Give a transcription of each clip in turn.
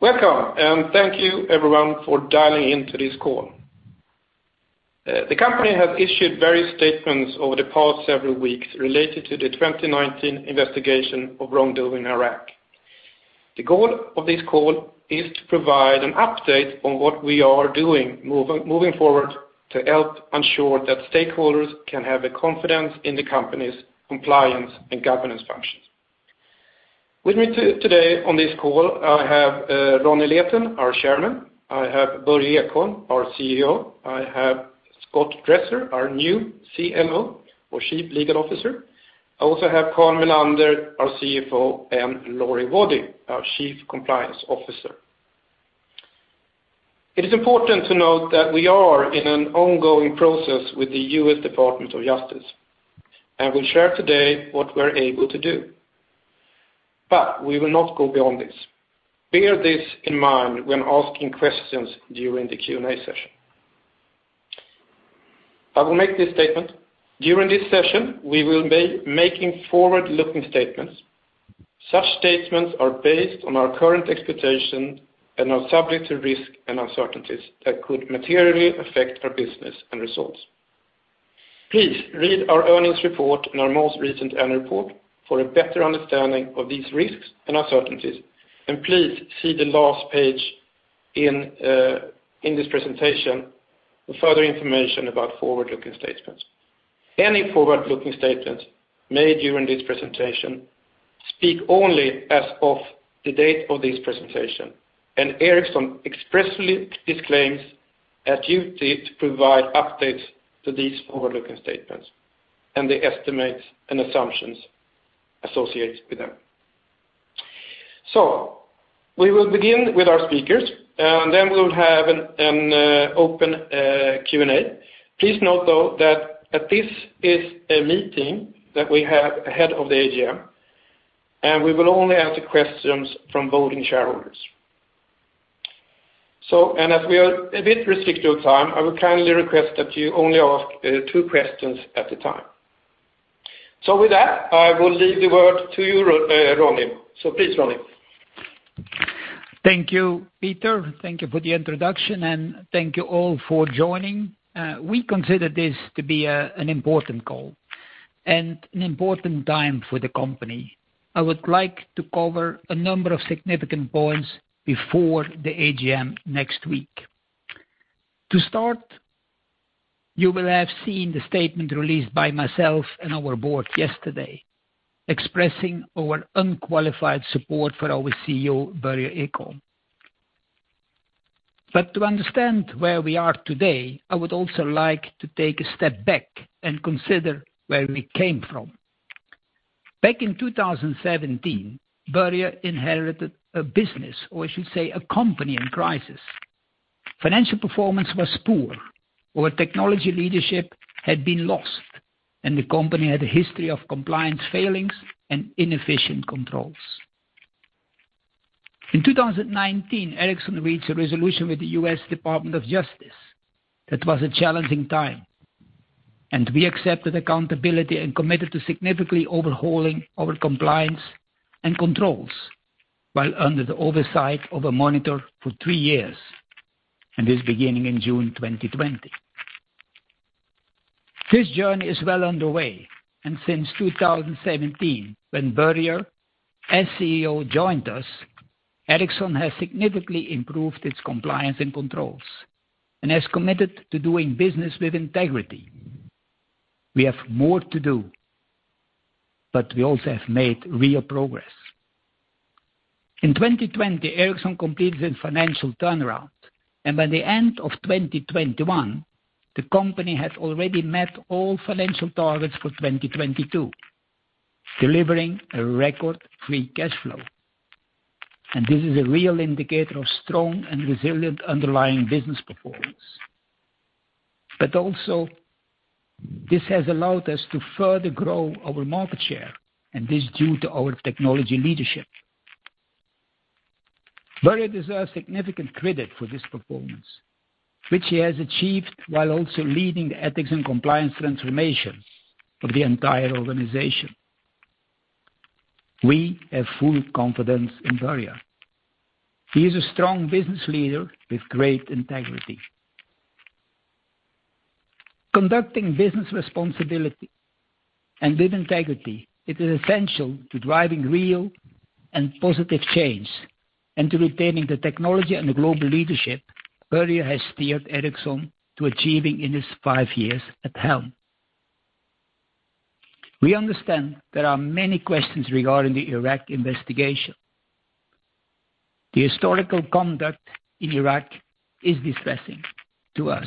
Welcome, and thank you everyone for dialing into this call. The company has issued various statements over the past several weeks related to the 2019 investigation of wrongdoing in Iraq. The goal of this call is to provide an update on what we are doing moving forward to help ensure that stakeholders can have the confidence in the company's compliance and governance functions. With me today on this call, I have Ronnie Leten, our Chairman. I have Börje Ekholm, our CEO. I have Scott Dresser, our new CLO or Chief Legal Officer. I also have Carl Mellander, our CFO, and Laurie Waddy, our Chief Compliance Officer. It is important to note that we are in an ongoing process with the U.S. Department of Justice, and we'll share today what we're able to do, but we will not go beyond this. Bear this in mind when asking questions during the Q&A session. I will make this statement. During this session, we will be making forward-looking statements. Such statements are based on our current expectations and are subject to risks and uncertainties that could materially affect our business and results. Please read our earnings report and our most recent annual report for a better understanding of these risks and uncertainties, and please see the last page in this presentation for further information about forward-looking statements. Any forward-looking statements made during this presentation speak only as of the date of this presentation, and Ericsson expressly disclaims any duty to provide updates to these forward-looking statements and the estimates and assumptions associated with them. We will begin with our speakers, and then we'll have an open Q&A. Please note, though, that this is a meeting that we have ahead of the AGM, and we will only answer questions from voting shareholders, as we are a bit restricted on time, I would kindly request that you only ask two questions at a time. With that, I will leave the word to you, Ronnie. Please, Ronnie. Thank you, Peter. Thank you for the introduction, and thank you all for joining. We consider this to be an important call and an important time for the company. I would like to cover a number of significant points before the AGM next week. To start, you will have seen the statement released by myself and our board yesterday expressing our unqualified support for our CEO, Börje Ekholm. To understand where we are today, I would also like to take a step back and consider where we came from. Back in 2017, Börje inherited a business, or I should say, a company in crisis. Financial performance was poor. Our technology leadership had been lost, and the company had a history of compliance failings and inefficient controls. In 2019, Ericsson reached a resolution with the U.S. Department of Justice. That was a challenging time, and we accepted accountability and committed to significantly overhauling our compliance and controls while under the oversight of a monitor for three years, and this beginning in June 2020. This journey is well underway, and since 2017, when Börje, as CEO, joined us, Ericsson has significantly improved its compliance and controls and has committed to doing business with integrity. We have more to do, but we also have made real progress. In 2020, Ericsson completed its financial turnaround, and by the end of 2021, the company had already met all financial targets for 2022, delivering a record free cash flow. This is a real indicator of strong and resilient underlying business performance. Also, this has allowed us to further grow our market share, and this is due to our technology leadership. Börje deserves significant credit for this performance, which he has achieved while also leading the ethics and compliance transformation of the entire organization. We have full confidence in Börje. He is a strong business leader with great integrity. Conducting business responsibly and with integrity, it is essential to driving real and positive change and to retaining the technology and the global leadership Börje has steered Ericsson to achieving in his five years at helm. We understand there are many questions regarding the Iraq investigation. The historical conduct in Iraq is distressing to us,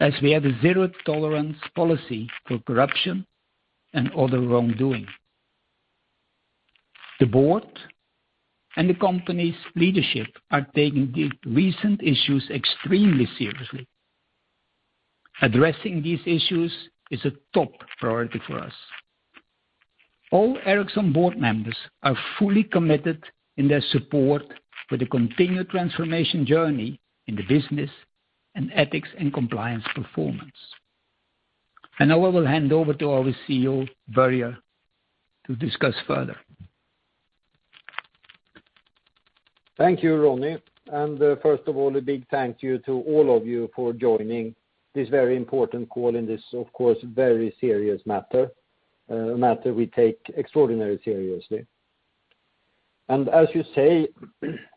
as we have a zero tolerance policy for corruption and other wrongdoing. The board and the company's leadership are taking the recent issues extremely seriously. Addressing these issues is a top priority for us. All Ericsson board members are fully committed in their support for the continued transformation journey in the business and ethics and compliance performance. Now I will hand over to our CEO, Börje, to discuss further. Thank you, Ronnie. First of all, a big thank you to all of you for joining this very important call in this, of course, very serious matter, a matter we take extraordinarily seriously. As you say,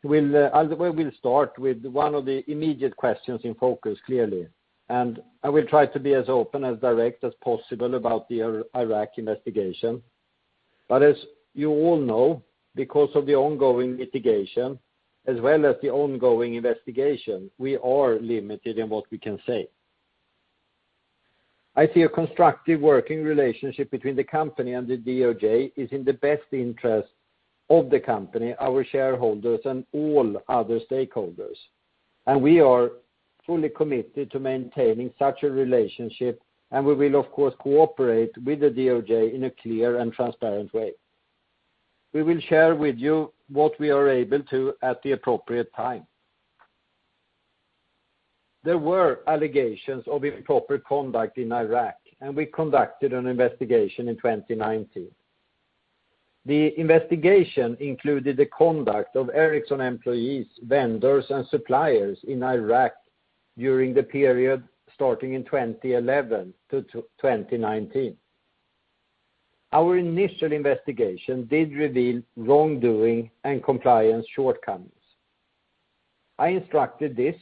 we'll, either way, we'll start with one of the immediate questions in focus clearly. I will try to be as open, as direct as possible about the Iraq investigation. As you all know, because of the ongoing litigation as well as the ongoing investigation, we are limited in what we can say. I see a constructive working relationship between the company and the DOJ is in the best interest of the company, our shareholders, and all other stakeholders. We are fully committed to maintaining such a relationship, and we will of course cooperate with the DOJ in a clear and transparent way. We will share with you what we are able to at the appropriate time. There were allegations of improper conduct in Iraq, and we conducted an investigation in 2019. The investigation included the conduct of Ericsson employees, vendors, and suppliers in Iraq during the period starting in 2011 to 2019. Our initial investigation did reveal wrongdoing and compliance shortcomings. I instructed this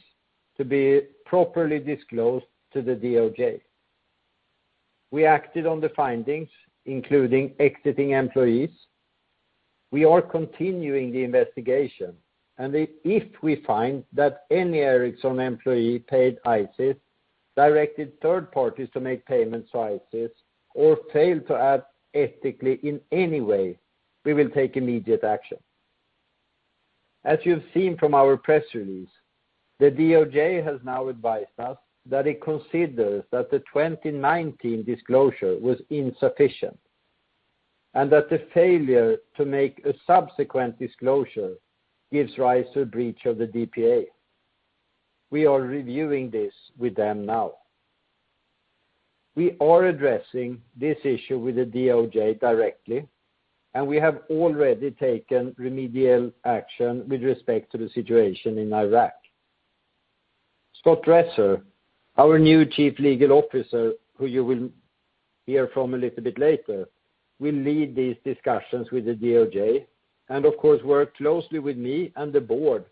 to be properly disclosed to the DOJ. We acted on the findings, including exiting employees. We are continuing the investigation. If we find that any Ericsson employee paid ISIS, directed third parties to make payments to ISIS, or failed to act ethically in any way, we will take immediate action. As you've seen from our press release, the DOJ has now advised us that it considers that the 2019 disclosure was insufficient, and that the failure to make a subsequent disclosure gives rise to a breach of the DPA. We are reviewing this with them now. We are addressing this issue with the DOJ directly, and we have already taken remedial action with respect to the situation in Iraq. Scott Dresser, our new Chief Legal Officer, who you will hear from a little bit later, will lead these discussions with the DOJ, and of course, work closely with me and the board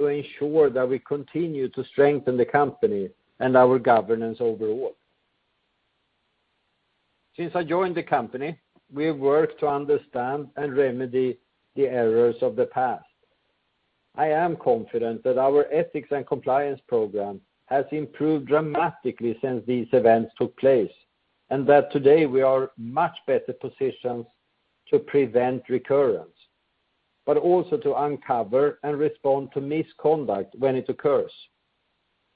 to ensure that we continue to strengthen the company and our governance overall. Since I joined the company, we've worked to understand and remedy the errors of the past. I am confident that our ethics and compliance program has improved dramatically since these events took place, and that today we are much better positioned to prevent recurrence, but also to uncover and respond to misconduct when it occurs.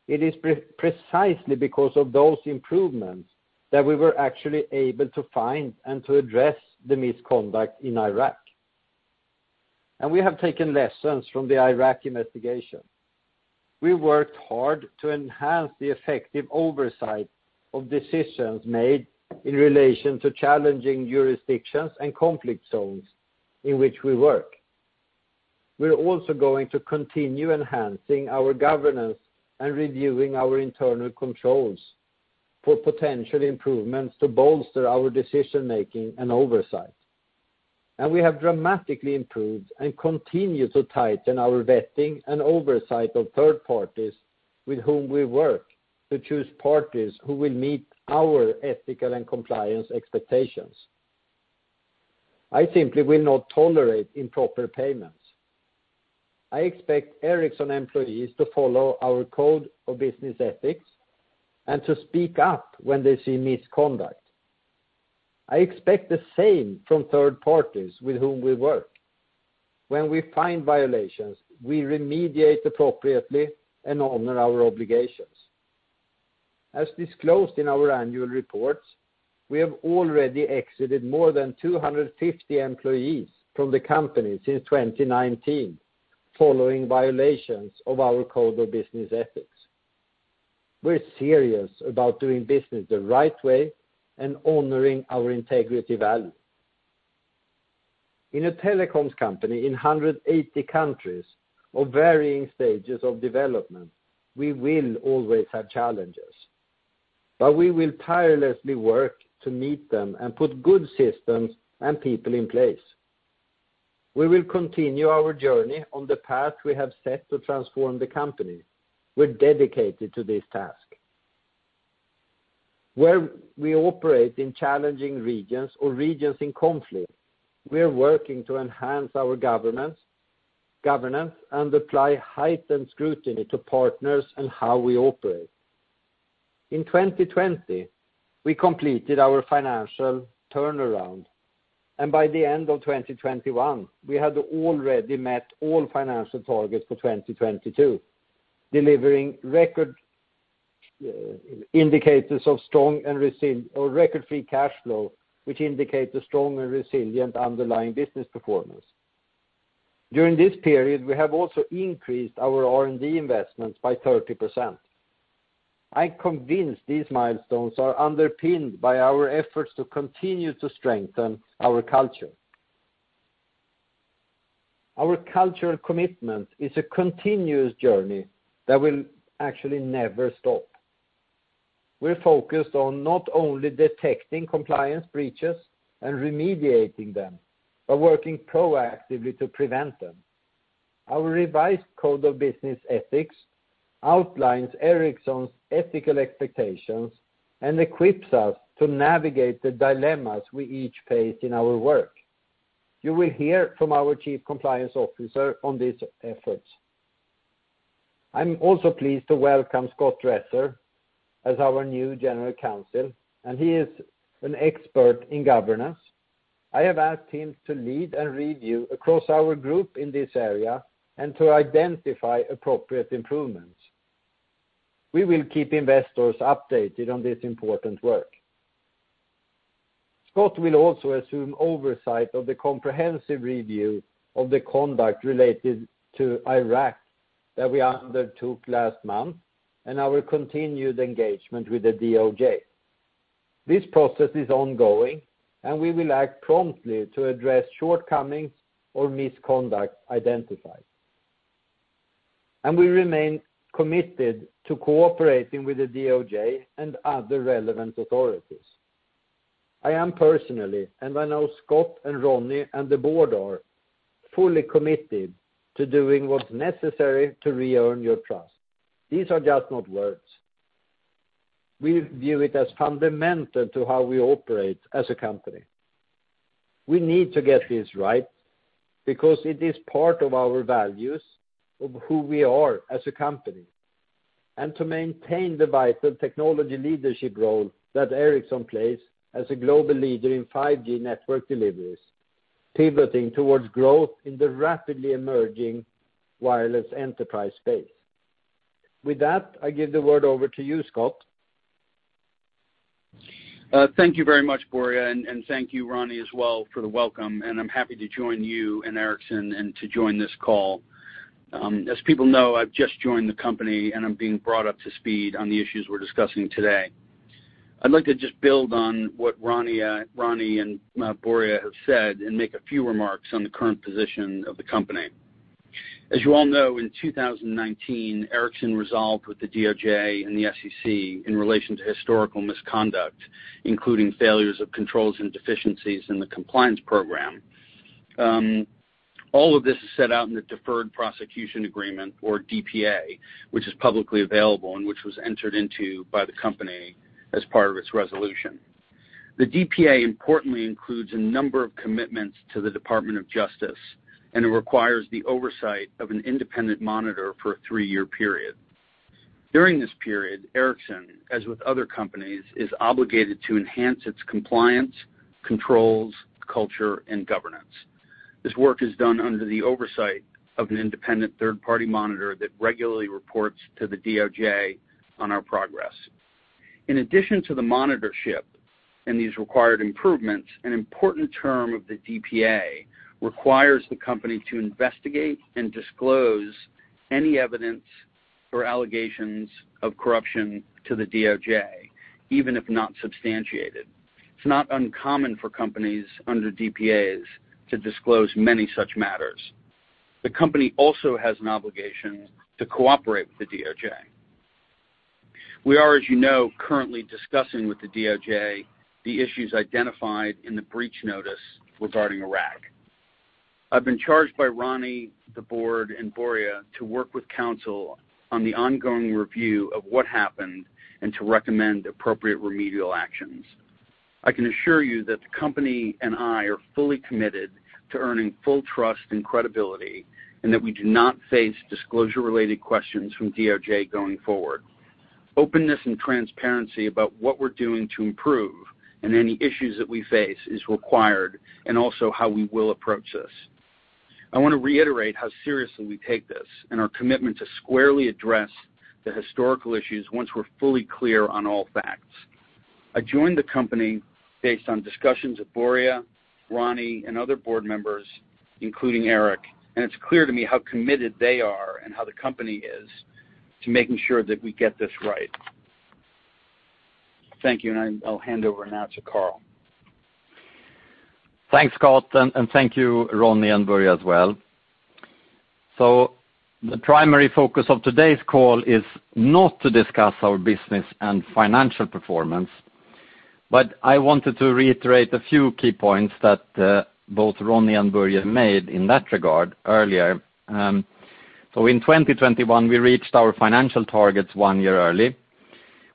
It is precisely because of those improvements that we were actually able to find and to address the misconduct in Iraq. We have taken lessons from the Iraq investigation. We worked hard to enhance the effective oversight of decisions made in relation to challenging jurisdictions and conflict zones in which we work. We're also going to continue enhancing our governance and reviewing our internal controls for potential improvements to bolster our decision-making and oversight. We have dramatically improved and continue to tighten our vetting and oversight of third parties with whom we work to choose parties who will meet our ethical and compliance expectations. I simply will not tolerate improper payments. I expect Ericsson employees to follow our Code of Business Ethics and to Speak Up when they see misconduct. I expect the same from third parties with whom we work. When we find violations, we remediate appropriately and honor our obligations. As disclosed in our annual reports, we have already exited more than 250 employees from the company since 2019 following violations of our Code of Business Ethics. We're serious about doing business the right way and honoring our integrity value. In a telecoms company in 180 countries of varying stages of development, we will always have challenges, but we will tirelessly work to meet them and put good systems and people in place. We will continue our journey on the path we have set to transform the company. We're dedicated to this task. Where we operate in challenging regions or regions in conflict, we're working to enhance our governance and apply heightened scrutiny to partners and how we operate. In 2020, we completed our financial turnaround, and by the end of 2021, we had already met all financial targets for 2022, delivering record free cash flow, which indicate a strong and resilient underlying business performance. During this period, we have also increased our R&D investments by 30%. I'm convinced these milestones are underpinned by our efforts to continue to strengthen our culture. Our cultural commitment is a continuous journey that will actually never stop. We're focused on not only detecting compliance breaches and remediating them, but working proactively to prevent them. Our revised Code of Business Ethics outlines Ericsson's ethical expectations and equips us to navigate the dilemmas we each face in our work. You will hear from our chief compliance officer on these efforts. I'm also pleased to welcome Scott Dresser as our new General Counsel, and he is an expert in governance. I have asked him to lead and review across our group in this area and to identify appropriate improvements. We will keep investors updated on this important work. Scott will also assume oversight of the comprehensive review of the conduct related to Iraq that we undertook last month and our continued engagement with the DOJ. This process is ongoing, and we will act promptly to address shortcomings or misconduct identified. We remain committed to cooperating with the DOJ and other relevant authorities. I am personally, and I know Scott and Ronnie and the board are, fully committed to doing what's necessary to re-earn your trust. These are just not words. We view it as fundamental to how we operate as a company. We need to get this right because it is part of our values of who we are as a company. To maintain the vital technology leadership role that Ericsson plays as a global leader in 5G network deliveries, pivoting towards growth in the rapidly emerging wireless enterprise space. With that, I give the word over to you, Scott. Thank you very much, Börje, and thank you Ronnie as well for the welcome. I'm happy to join you and Ericsson and to join this call. As people know, I've just joined the company, and I'm being brought up to speed on the issues we're discussing today. I'd like to just build on what Ronnie and Börje have said and make a few remarks on the current position of the company. As you all know, in 2019, Ericsson resolved with the DOJ and the SEC in relation to historical misconduct, including failures of controls and deficiencies in the compliance program. All of this is set out in the deferred prosecution agreement or DPA, which is publicly available and which was entered into by the company as part of its resolution. The DPA importantly includes a number of commitments to the Department of Justice, and it requires the oversight of an independent monitor for a three-year period. During this period, Ericsson, as with other companies, is obligated to enhance its compliance, controls, culture, and governance. This work is done under the oversight of an independent third-party monitor that regularly reports to the DOJ on our progress. In addition to the monitorship and these required improvements, an important term of the DPA requires the company to investigate and disclose any evidence or allegations of corruption to the DOJ, even if not substantiated. It's not uncommon for companies under DPAs to disclose many such matters. The company also has an obligation to cooperate with the DOJ. We are, as you know, currently discussing with the DOJ the issues identified in the breach notice regarding Iraq. I've been charged by Ronnie, the board, and Börje to work with counsel on the ongoing review of what happened and to recommend appropriate remedial actions. I can assure you that the company and I are fully committed to earning full trust and credibility, and that we do not face disclosure-related questions from DOJ going forward. Openness and transparency about what we're doing to improve and any issues that we face is required, and also how we will approach this. I want to reiterate how seriously we take this and our commitment to squarely address the historical issues once we're fully clear on all facts. I joined the company based on discussions with Börje, Ronnie, and other board members, including Eric, and it's clear to me how committed they are and how the company is to making sure that we get this right. Thank you, and I'll hand over now to Carl. Thanks, Scott, and thank you, Ronnie and Börje as well. The primary focus of today's call is not to discuss our business and financial performance. I wanted to reiterate a few key points that both Ronnie and Börje made in that regard earlier. In 2021, we reached our financial targets one year early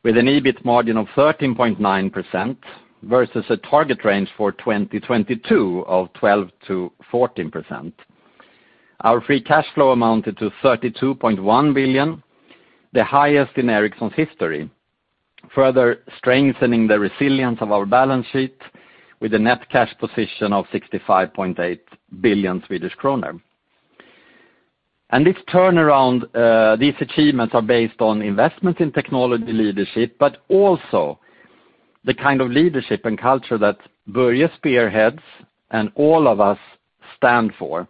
with an EBIT margin of 13.9% versus a target range for 2022 of 12%-14%. Our free cash flow amounted to 32.1 billion, the highest in Ericsson's history, further strengthening the resilience of our balance sheet with a net cash position of 65.8 billion Swedish kronor. This turnaround, these achievements are based on investments in technology leadership, but also the kind of leadership and culture that Börje spearheads and all of us stand for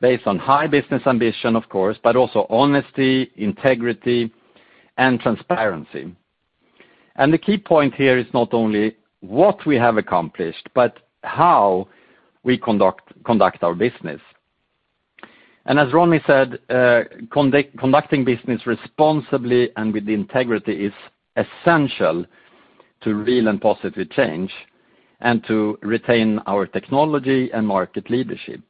based on high business ambition of course, but also honesty, integrity, and transparency. The key point here is not only what we have accomplished, but how we conduct our business. As Ronnie said, conducting business responsibly and with integrity is essential to real and positive change and to retain our technology and market leadership.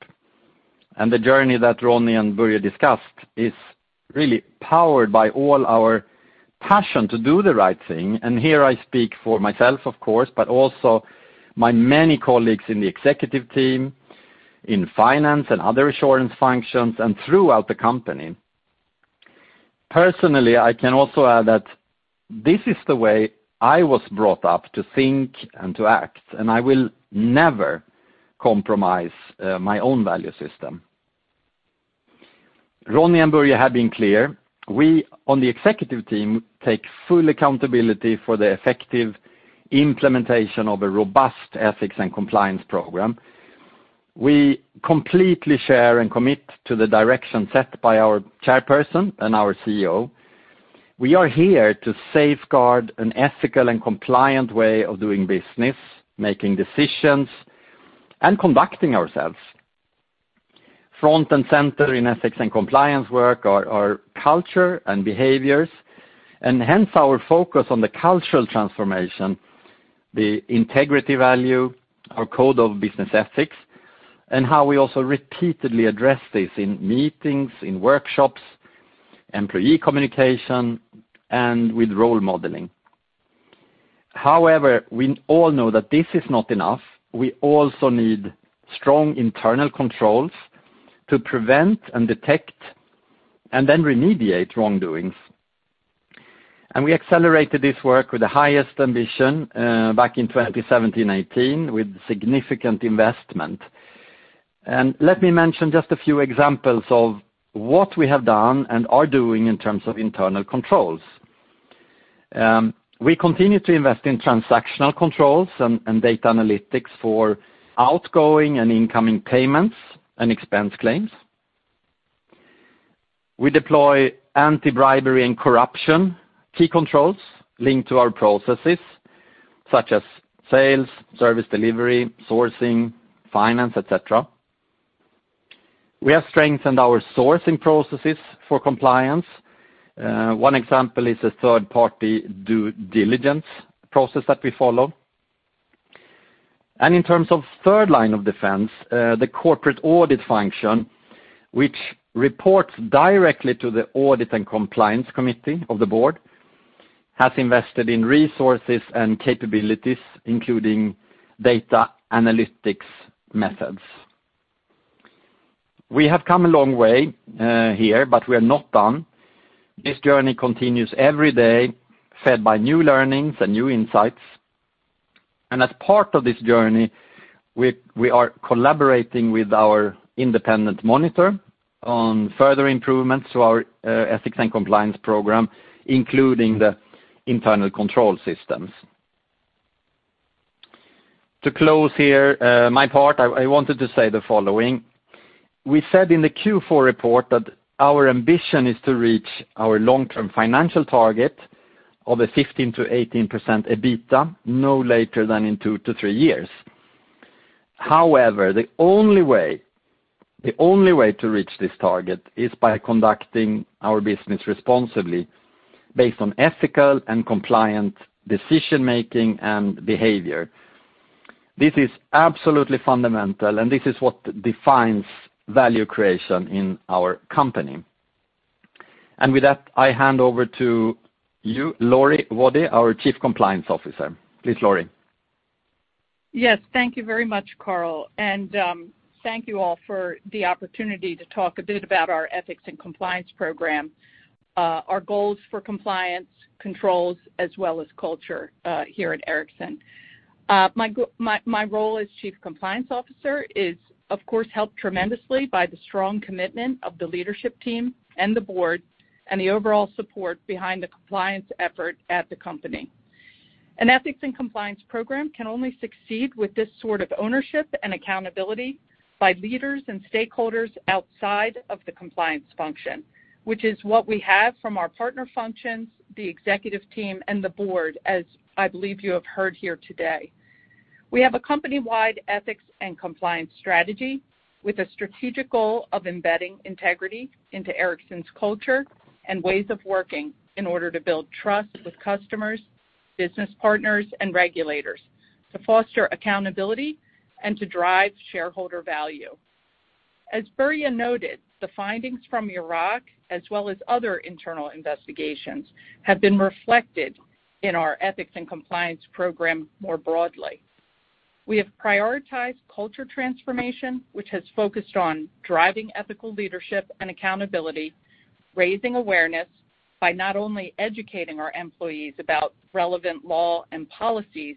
The journey that Ronnie and Börje discussed is really powered by all our passion to do the right thing. Here I speak for myself, of course, but also my many colleagues in the executive team, in finance and other assurance functions, and throughout the company. Personally, I can also add that this is the way I was brought up to think and to act, and I will never compromise my own value system. Ronnie and Börje have been clear, we on the executive team take full accountability for the effective implementation of a robust ethics and compliance program. We completely share and commit to the direction set by our Chairperson and our CEO. We are here to safeguard an ethical and compliant way of doing business, making decisions, and conducting ourselves. Front and center in ethics and compliance work are culture and behaviors, and hence our focus on the cultural transformation, the integrity value, our Code of Business Ethics, and how we also repeatedly address this in meetings, in workshops, employee communication, and with role modeling. However, we all know that this is not enough. We also need strong internal controls to prevent and detect, and then remediate wrongdoings. We accelerated this work with the highest ambition back in 2017, 2018, with significant investment. Let me mention just a few examples of what we have done and are doing in terms of internal controls. We continue to invest in transactional controls and data analytics for outgoing and incoming payments and expense claims. We deploy anti-bribery and corruption key controls linked to our processes, such as sales, service delivery, sourcing, finance, et cetera. We have strengthened our sourcing processes for compliance. One example is a third-party due diligence process that we follow. In terms of third line of defense, the corporate audit function, which reports directly to the audit and compliance committee of the board, has invested in resources and capabilities, including data analytics methods. We have come a long way here, but we're not done. This journey continues every day, fed by new learnings and new insights. As part of this journey, we are collaborating with our independent monitor on further improvements to our ethics and compliance program, including the internal control systems. To close here my part, I wanted to say the following. We said in the Q4 report that our ambition is to reach our long-term financial target of a 15%-18% EBITDA no later than in two-three years. However, the only way to reach this target is by conducting our business responsibly based on ethical and compliant decision-making and behavior. This is absolutely fundamental, and this is what defines value creation in our company. With that, I hand over to you, Laurie Waddy, our Chief Compliance Officer. Please, Laurie. Yes. Thank you very much, Carl. Thank you all for the opportunity to talk a bit about our ethics and compliance program, our goals for compliance, controls, as well as culture, here at Ericsson. My role as Chief Compliance Officer is, of course, helped tremendously by the strong commitment of the leadership team and the board, and the overall support behind the compliance effort at the company. An ethics and compliance program can only succeed with this sort of ownership and accountability by leaders and stakeholders outside of the compliance function, which is what we have from our partner functions, the executive team, and the board, as I believe you have heard here today. We have a company-wide ethics and compliance strategy with a strategic goal of embedding integrity into Ericsson's culture and ways of working in order to build trust with customers, business partners, and regulators, to foster accountability and to drive shareholder value. As Börje noted, the findings from Iraq, as well as other internal investigations, have been reflected in our ethics and compliance program more broadly. We have prioritized culture transformation, which has focused on driving ethical leadership and accountability, raising awareness by not only educating our employees about relevant law and policies,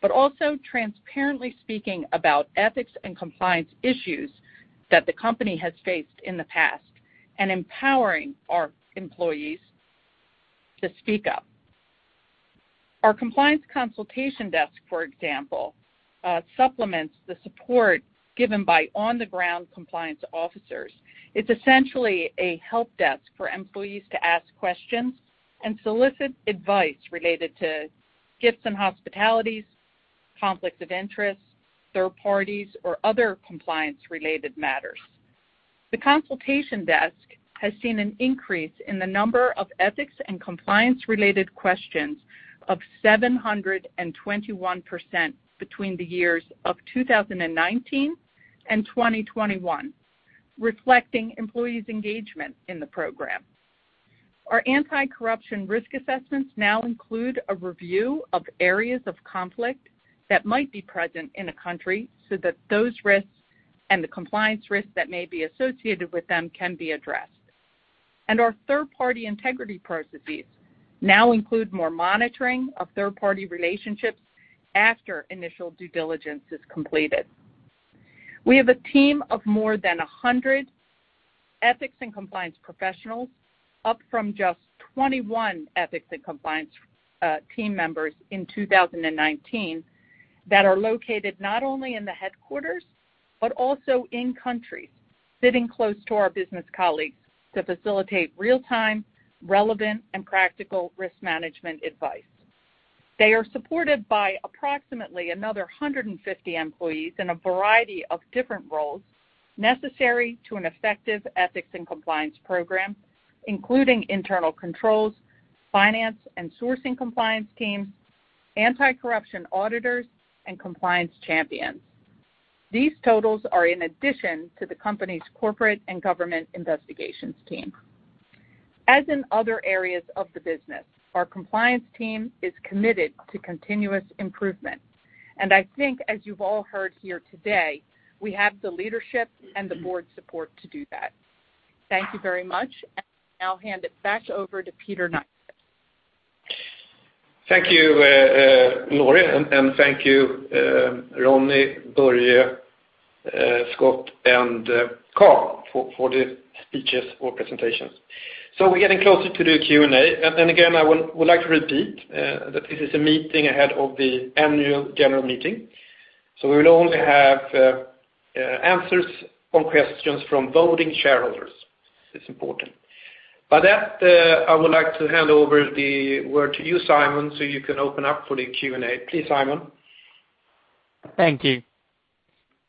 but also transparently speaking about ethics and compliance issues that the company has faced in the past and empowering our employees to Speak Up. Our compliance consultation desk, for example, supplements the support given by on-the-ground compliance officers. It's essentially a help desk for employees to ask questions and solicit advice related to gifts and hospitalities, conflict of interest, third parties, or other compliance-related matters. The consultation desk has seen an increase in the number of ethics and compliance-related questions of 721% between the years of 2019 and 2021, reflecting employees' engagement in the program. Our anti-corruption risk assessments now include a review of areas of conflict that might be present in a country so that those risks and the compliance risks that may be associated with them can be addressed. Our third-party integrity processes now include more monitoring of third-party relationships after initial due diligence is completed. We have a team of more than 100 ethics and compliance professionals, up from just 21 ethics and compliance team members in 2019 that are located not only in the headquarters, but also in countries sitting close to our business colleagues to facilitate real-time, relevant, and practical risk management advice. They are supported by approximately another 150 employees in a variety of different roles necessary to an effective ethics and compliance program, including internal controls, finance and sourcing compliance teams, anti-corruption auditors, and compliance champions. These totals are in addition to the company's corporate and government investigations team. As in other areas of the business, our compliance team is committed to continuous improvement, and I think as you've all heard here today, we have the leadership and the board support to do that. Thank you very much. I'll now hand it back over to Peter Nyquist. Thank you, Laurie, and thank you, Ronnie, Börje, Scott, and Carl for the speeches or presentations. We're getting closer to the Q&A. Again, I would like to repeat that this is a meeting ahead of the annual general meeting. We will only have answers on questions from voting shareholders. It's important. By that, I would like to hand over the word to you, Simon, so you can open up for the Q&A. Please, Simon. Thank you.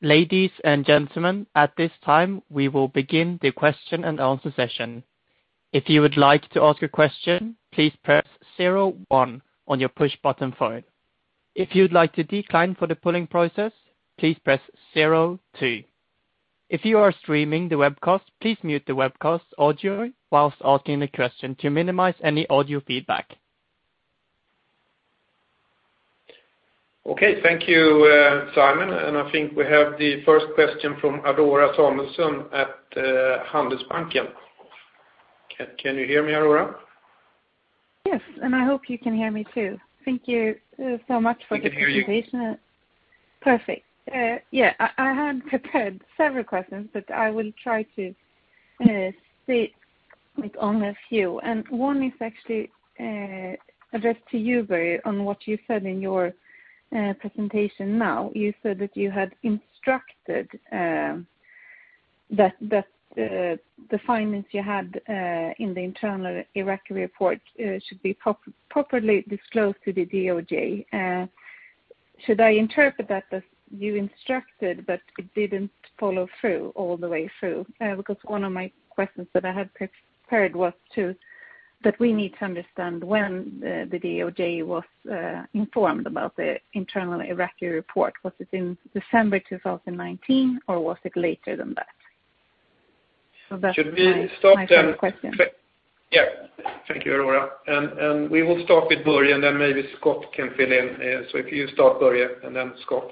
Ladies and gentlemen, at this time, we will begin the question-and-answer session. If you would like to ask a question, please press zero one on your push button phone. If you'd like to decline for the polling process, please press zero two. If you are streaming the webcast, please mute the webcast audio while asking the question to minimize any audio feedback. Okay. Thank you, Simon. I think we have the first question from Aurora Samuelsson at Handelsbanken. Can you hear me, Aurora? Yes, I hope you can hear me too. Thank you, so much for the presentation. We can hear you. Perfect. Yeah, I had prepared several questions, but I will try to stay, like, on a few. One is actually addressed to you, Börje, on what you said in your presentation now. You said that you had instructed that the findings you had in the internal Iraqi report should be properly disclosed to the DOJ. Should I interpret that as you instructed, but it didn't follow through all the way through? Because one of my questions that I had prepared was that we need to understand when the DOJ was informed about the internal Iraqi report. Was it in December 2019, or was it later than that? So that's my further question. Should we start then? Yeah. Thank you, Aurora. We will start with Börje, and then maybe Scott can fill in. If you start, Börje, and then Scott.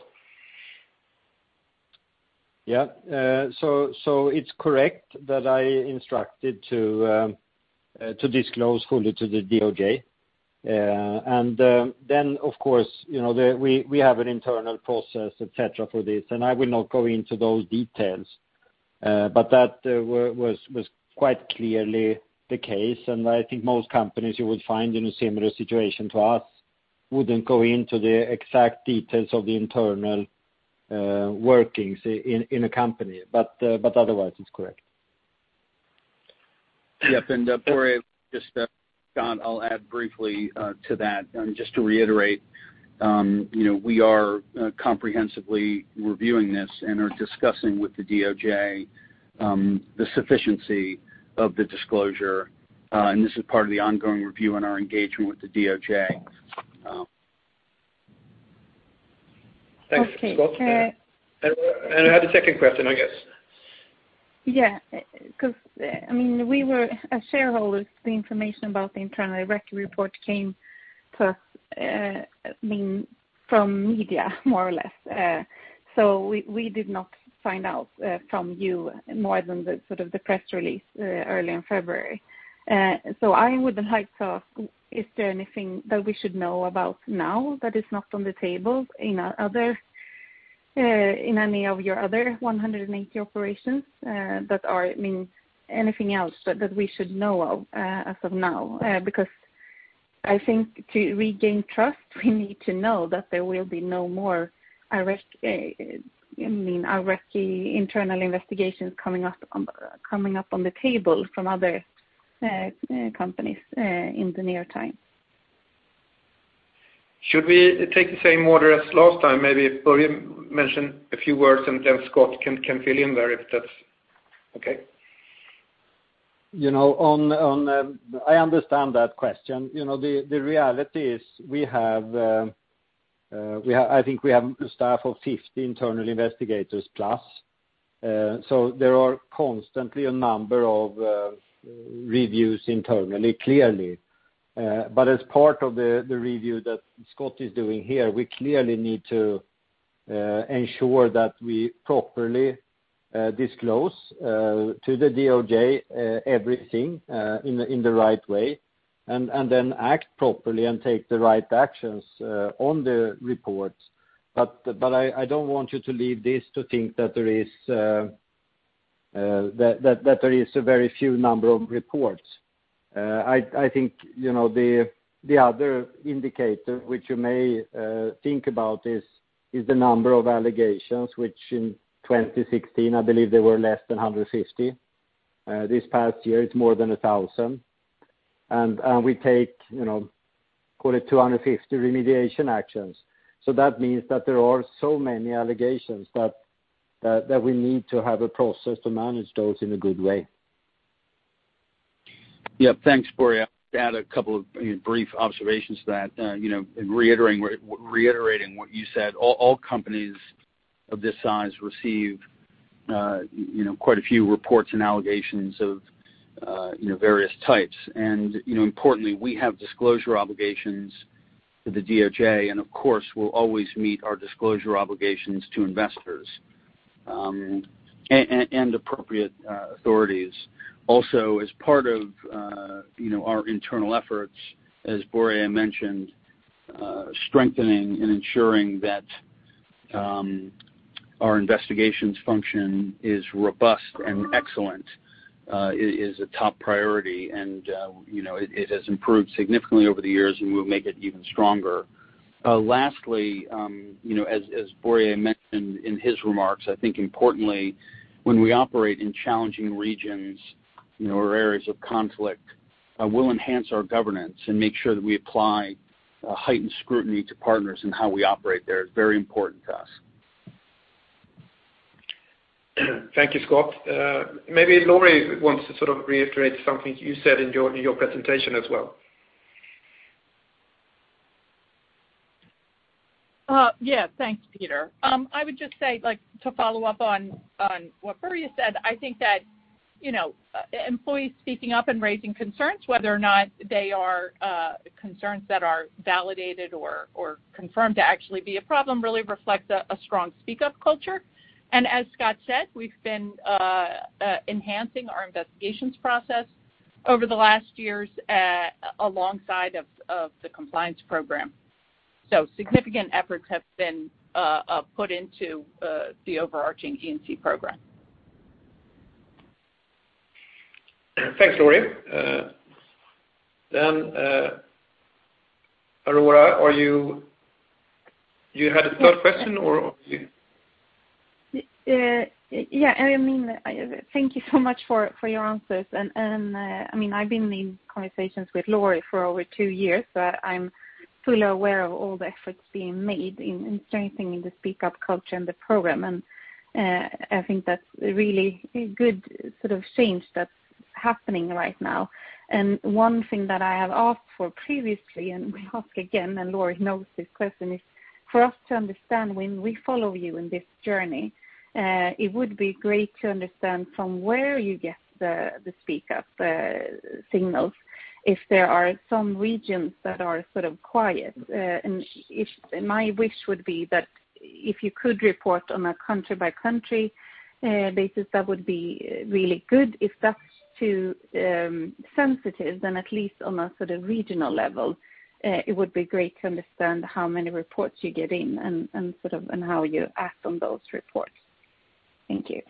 It's correct that I instructed to disclose fully to the DOJ. Of course, you know, we have an internal process, et cetera, for this, and I will not go into those details. That was quite clearly the case. I think most companies you would find in a similar situation to us wouldn't go into the exact details of the internal workings in a company, but otherwise, it's correct. Yep. Börje, just Scott, I'll add briefly to that. Just to reiterate, you know, we are comprehensively reviewing this and are discussing with the DOJ the sufficiency of the disclosure, and this is part of the ongoing review and our engagement with the DOJ. Thanks, Scott. Okay. You had a second question, I guess. Yeah. Because, I mean, we were a shareholder. The information about the internal Iraqi report came to us, I mean, from media more or less. So we did not find out from you more than the sort of the press release early in February. So I would like to ask, is there anything that we should know about now that is not on the table in other, in any of your other 180 operations, I mean, anything else that we should know of as of now? Because I think to regain trust, we need to know that there will be no more Iraqi, I mean, Iraqi internal investigations coming up on the table from other companies in the near term. Should we take the same order as last time? Maybe Börje mention a few words and then Scott can fill in there if that's okay. You know, I understand that question. You know, the reality is we have a staff of 50 internal investigators plus, so there are constantly a number of reviews internally, clearly. But as part of the review that Scott is doing here, we clearly need to ensure that we properly disclose to the DOJ everything in the right way, and then act properly and take the right actions on the reports. I don't want you to leave this to think that there is a very few number of reports. I think, you know, the other indicator which you may think about is the number of allegations which in 2016, I believe they were less than 150. This past year, it's more than 1,000. We take, you know, call it 250 remediation actions. That means that there are so many allegations that we need to have a process to manage those in a good way. Yeah. Thanks, Börje. I'll add a couple of, I mean, brief observations to that. You know, reiterating what you said, all companies of this size receive, you know, quite a few reports and allegations of, you know, various types. You know, importantly, we have disclosure obligations to the DOJ, and of course, we'll always meet our disclosure obligations to investors, and appropriate authorities. Also, as part of, you know, our internal efforts, as Börje mentioned, strengthening and ensuring that our investigations function is robust and excellent is a top priority, and, you know, it has improved significantly over the years, and we'll make it even stronger. Lastly, you know, as Börje mentioned in his remarks, I think importantly when we operate in challenging regions, you know, or areas of conflict, we'll enhance our governance and make sure that we apply a heightened scrutiny to partners and how we operate there. It's very important to us. Thank you, Scott. Maybe Laurie wants to sort of reiterate something you said in your presentation as well. Yeah. Thanks, Peter. I would just say, like, to follow up on what Börje said, I think that, you know, employees speaking up and raising concerns, whether or not they are concerns that are validated or confirmed to actually be a problem, really reflects a strong Speak Up culture. As Scott said, we've been enhancing our investigations process over the last years, alongside of the compliance program. Significant efforts have been put into the overarching E&C program. Thanks, Laurie. Aurora, you had a third question, or you- Yeah. I mean, thank you so much for your answers. I mean, I've been in conversations with Laurie for over two years, so I'm fully aware of all the efforts being made in strengthening the Speak Up culture and the program. I think that's a really good sort of change that's happening right now. One thing that I have asked for previously, and will ask again, and Laurie knows this question, is for us to understand when we follow you in this journey. It would be great to understand from where you get the Speak Up signals, if there are some regions that are sort of quiet. My wish would be that if you could report on a country-by-country basis, that would be really good. If that's too sensitive, then at least on a sort of regional level, it would be great to understand how many reports you get in and sort of how you act on those reports. Thank you.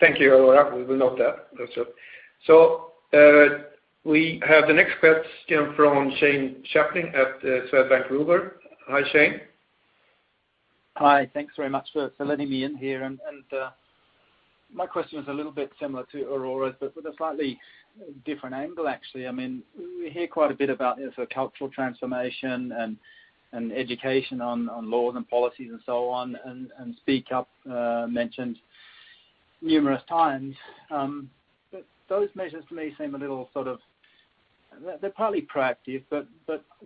Thank you, Aurora. We will note that. That's it. We have the next question from Shane Chaplin at Swedbank Robur. Hi, Shane. Hi. Thanks very much for letting me in here. My question is a little bit similar to Aurora's, but with a slightly different angle, actually. I mean, we hear quite a bit about, you know, sort of cultural transformation and education on laws and policies and so on, and Speak Up mentioned numerous times. Those measures to me seem a little sort of. They're partly proactive, but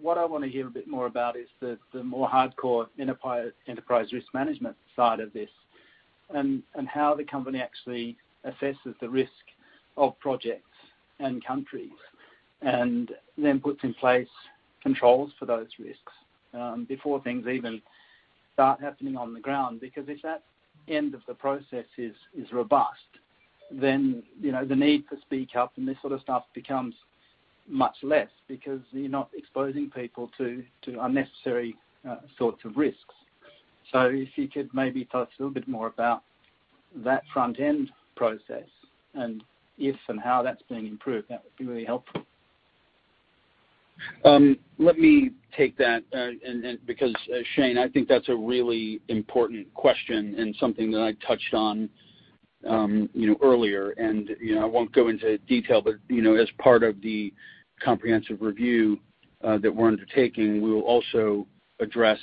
what I wanna hear a bit more about is the more hardcore enterprise risk management side of this, and how the company actually assesses the risk of projects and countries, and then puts in place controls for those risks, before things even start happening on the ground. Because if that end of the process is robust, then, you know, the need for Speak Up and this sort of stuff becomes Much less because you're not exposing people to unnecessary sorts of risks. If you could maybe talk to us a little bit more about that front end process and if and how that's being improved, that would be really helpful. Let me take that and because Shane I think that's a really important question and something that I touched on you know earlier. You know, I won't go into detail, but you know, as part of the comprehensive review that we're undertaking, we will also address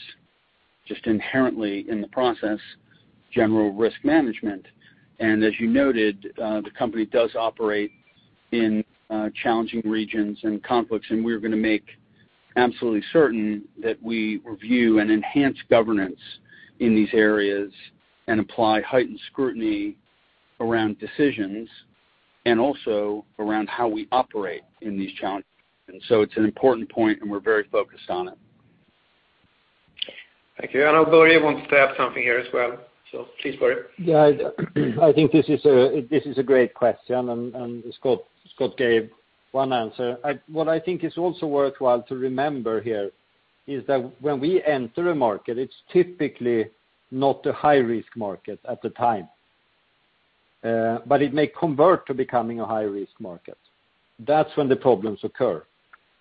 just inherently in the process general risk management. As you noted the company does operate in challenging regions and conflicts and we're gonna make absolutely certain that we review and enhance governance in these areas and apply heightened scrutiny around decisions and also around how we operate in these challenges. It's an important point and we're very focused on it. Thank you. I know Börje wanted to add something here as well. Please, Börje. I think this is a great question, and Scott gave one answer. What I think is also worthwhile to remember here is that when we enter a market, it's typically not a high-risk market at the time, but it may convert to becoming a high-risk market. That's when the problems occur.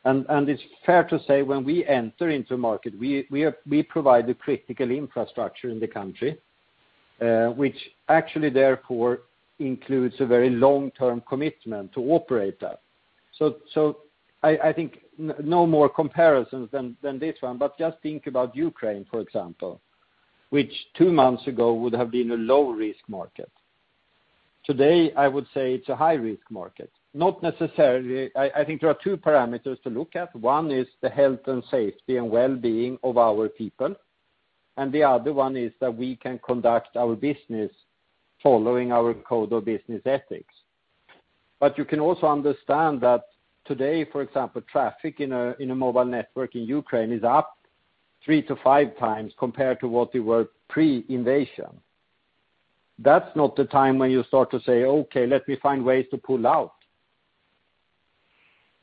It's fair to say when we enter into a market, we provide the critical infrastructure in the country, which actually therefore includes a very long-term commitment to operate that. I think no more comparisons than this one, but just think about Ukraine, for example, which two months ago would have been a low-risk market. Today, I would say it's a high-risk market, not necessarily. I think there are two parameters to look at. One is the health and safety and well-being of our people, and the other one is that we can conduct our business following our Code of Business Ethics. You can also understand that today, for example, traffic in a mobile network in Ukraine is up three to five times compared to what they were pre-invasion. That's not the time when you start to say, "Okay, let me find ways to pull out."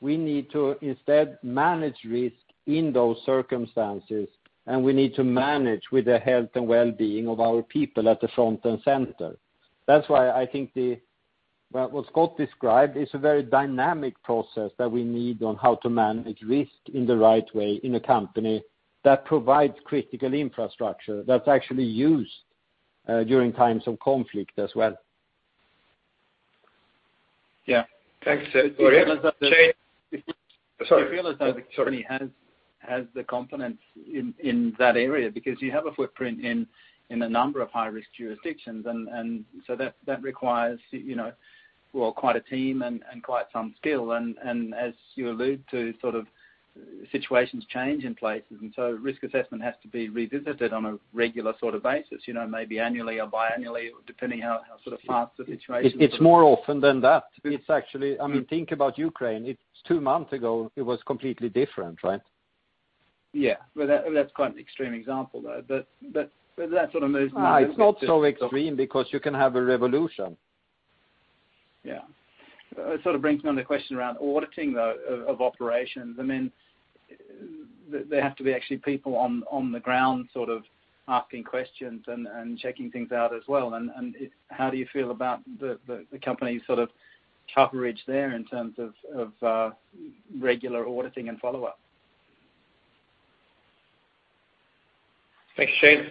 We need to instead manage risk in those circumstances, and we need to manage with the health and well-being of our people at the front and center. That's why I think what Scott described is a very dynamic process that we need on how to manage risk in the right way in a company that provides critical infrastructure that's actually used during times of conflict as well. Yeah. Thanks, Börje. You realize that the- Shane. Sorry. You realize that the company has the components in that area because you have a footprint in a number of high-risk jurisdictions. That requires, you know, well, quite a team and quite some skill. As you allude to, sort of situations change in places, and so risk assessment has to be revisited on a regular sort of basis, you know, maybe annually or biannually or depending how sort of fast the situation. It's more often than that. It's actually, I mean, think about Ukraine. It's two months ago, it was completely different, right? Yeah. Well, that that's quite an extreme example though that sort of moves me. It's not so extreme because you can have a revolution. Yeah. It sort of brings me on the question around auditing, though, of operations. I mean, there have to be actually people on the ground sort of asking questions and checking things out as well. How do you feel about the company's sort of coverage there in terms of of regular auditing and follow-up? Thanks, Shane.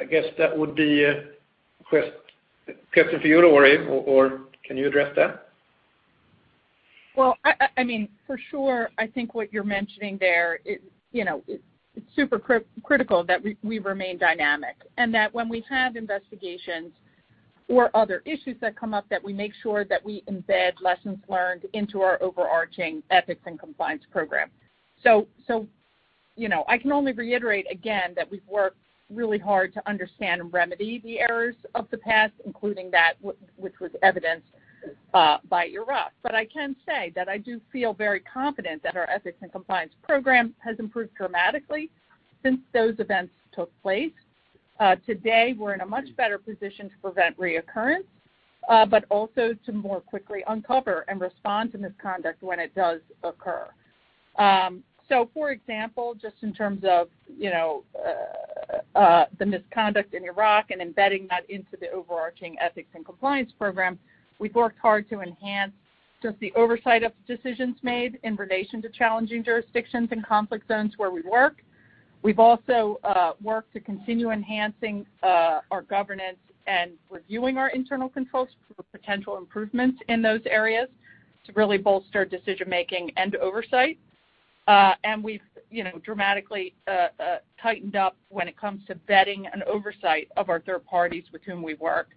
I guess that would be a question for you to Laurie, or can you address that? Well, I mean, for sure, I think what you're mentioning there is, you know, it's super critical that we remain dynamic, and that when we have investigations or other issues that come up, that we make sure that we embed lessons learned into our overarching ethics and compliance program. You know, I can only reiterate again that we've worked really hard to understand and remedy the errors of the past, including that which was evidenced by Iraq. I can say that I do feel very confident that our ethics and compliance program has improved dramatically since those events took place. Today, we're in a much better position to prevent reoccurrence, but also to more quickly uncover and respond to misconduct when it does occur. For example, just in terms of, you know, the misconduct in Iraq and embedding that into the overarching ethics and compliance program, we've worked hard to enhance just the oversight of decisions made in relation to challenging jurisdictions and conflict zones where we work. We've also worked to continue enhancing our governance and reviewing our internal controls for potential improvements in those areas to really bolster decision-making and oversight. We've, you know, dramatically tightened up when it comes to vetting and oversight of our third parties with whom we work,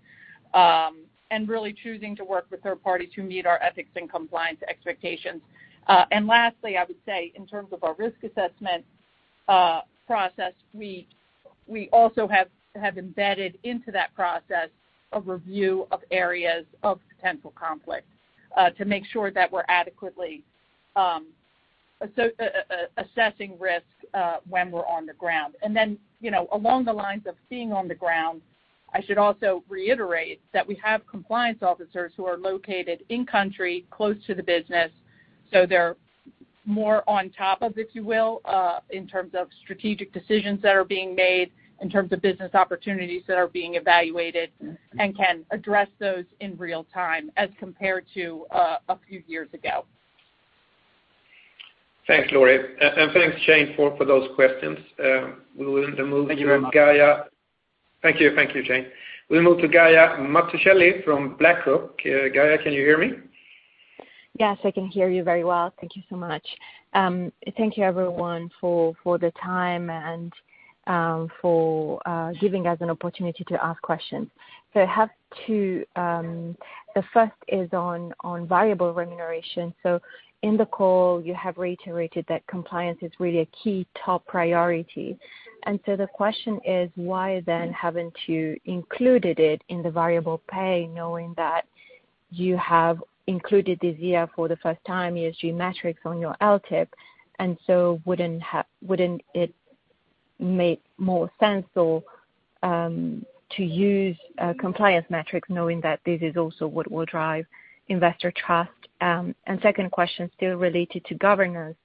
and really choosing to work with third parties who meet our ethics and compliance expectations. Lastly, I would say in terms of our risk assessment process, we also have embedded into that process a review of areas of potential conflict to make sure that we're adequately assessing risks when we're on the ground. You know, along the lines of being on the ground, I should also reiterate that we have compliance officers who are located in country close to the business, so they're more on top of, if you will, in terms of strategic decisions that are being made, in terms of business opportunities that are being evaluated, and can address those in real time as compared to a few years ago. Thanks, Laurie. Thanks, Shane, for those questions. We will then move to Gaia. Thank you very much. Thank you. Thank you, Shane. We move to Gaia Mazzucchelli from BlackRock. Gaia, can you hear me? Yes, I can hear you very well. Thank you so much. Thank you everyone for the time and for giving us an opportunity to ask questions. I have two, the first is on variable remuneration. In the call, you have reiterated that compliance is really a key top priority. The question is why then haven't you included it in the variable pay knowing that you have included this year for the first time ESG metrics on your LTIP, and so wouldn't it make more sense to use compliance metrics knowing that this is also what will drive investor trust? Second question still related to governance.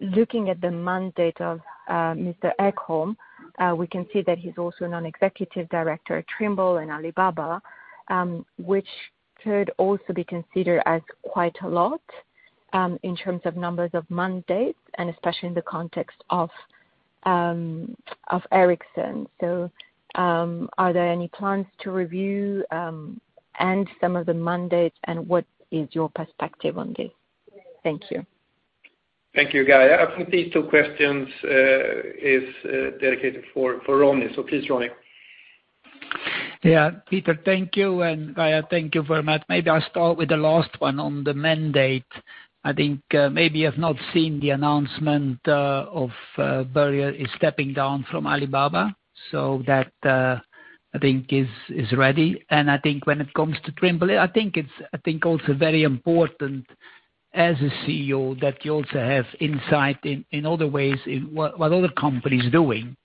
Looking at the mandate of Mr. Ekholm, we can see that he's also non-executive director at Trimble and Alibaba, which could also be considered as quite a lot, in terms of numbers of mandates and especially in the context of Ericsson. Are there any plans to review end some of the mandates, and what is your perspective on this? Thank you. Thank you, Gaia. I think these two questions is dedicated for Ronnie. Please, Ronnie. Yeah. Peter, thank you, and Gaia, thank you very much. Maybe I'll start with the last one on the mandate. I think maybe you have not seen the announcement of Börje is stepping down from Alibaba. That I think is ready. I think when it comes to Trimble, I think it's also very important as a CEO that you also have insight in other ways in what other companies doing.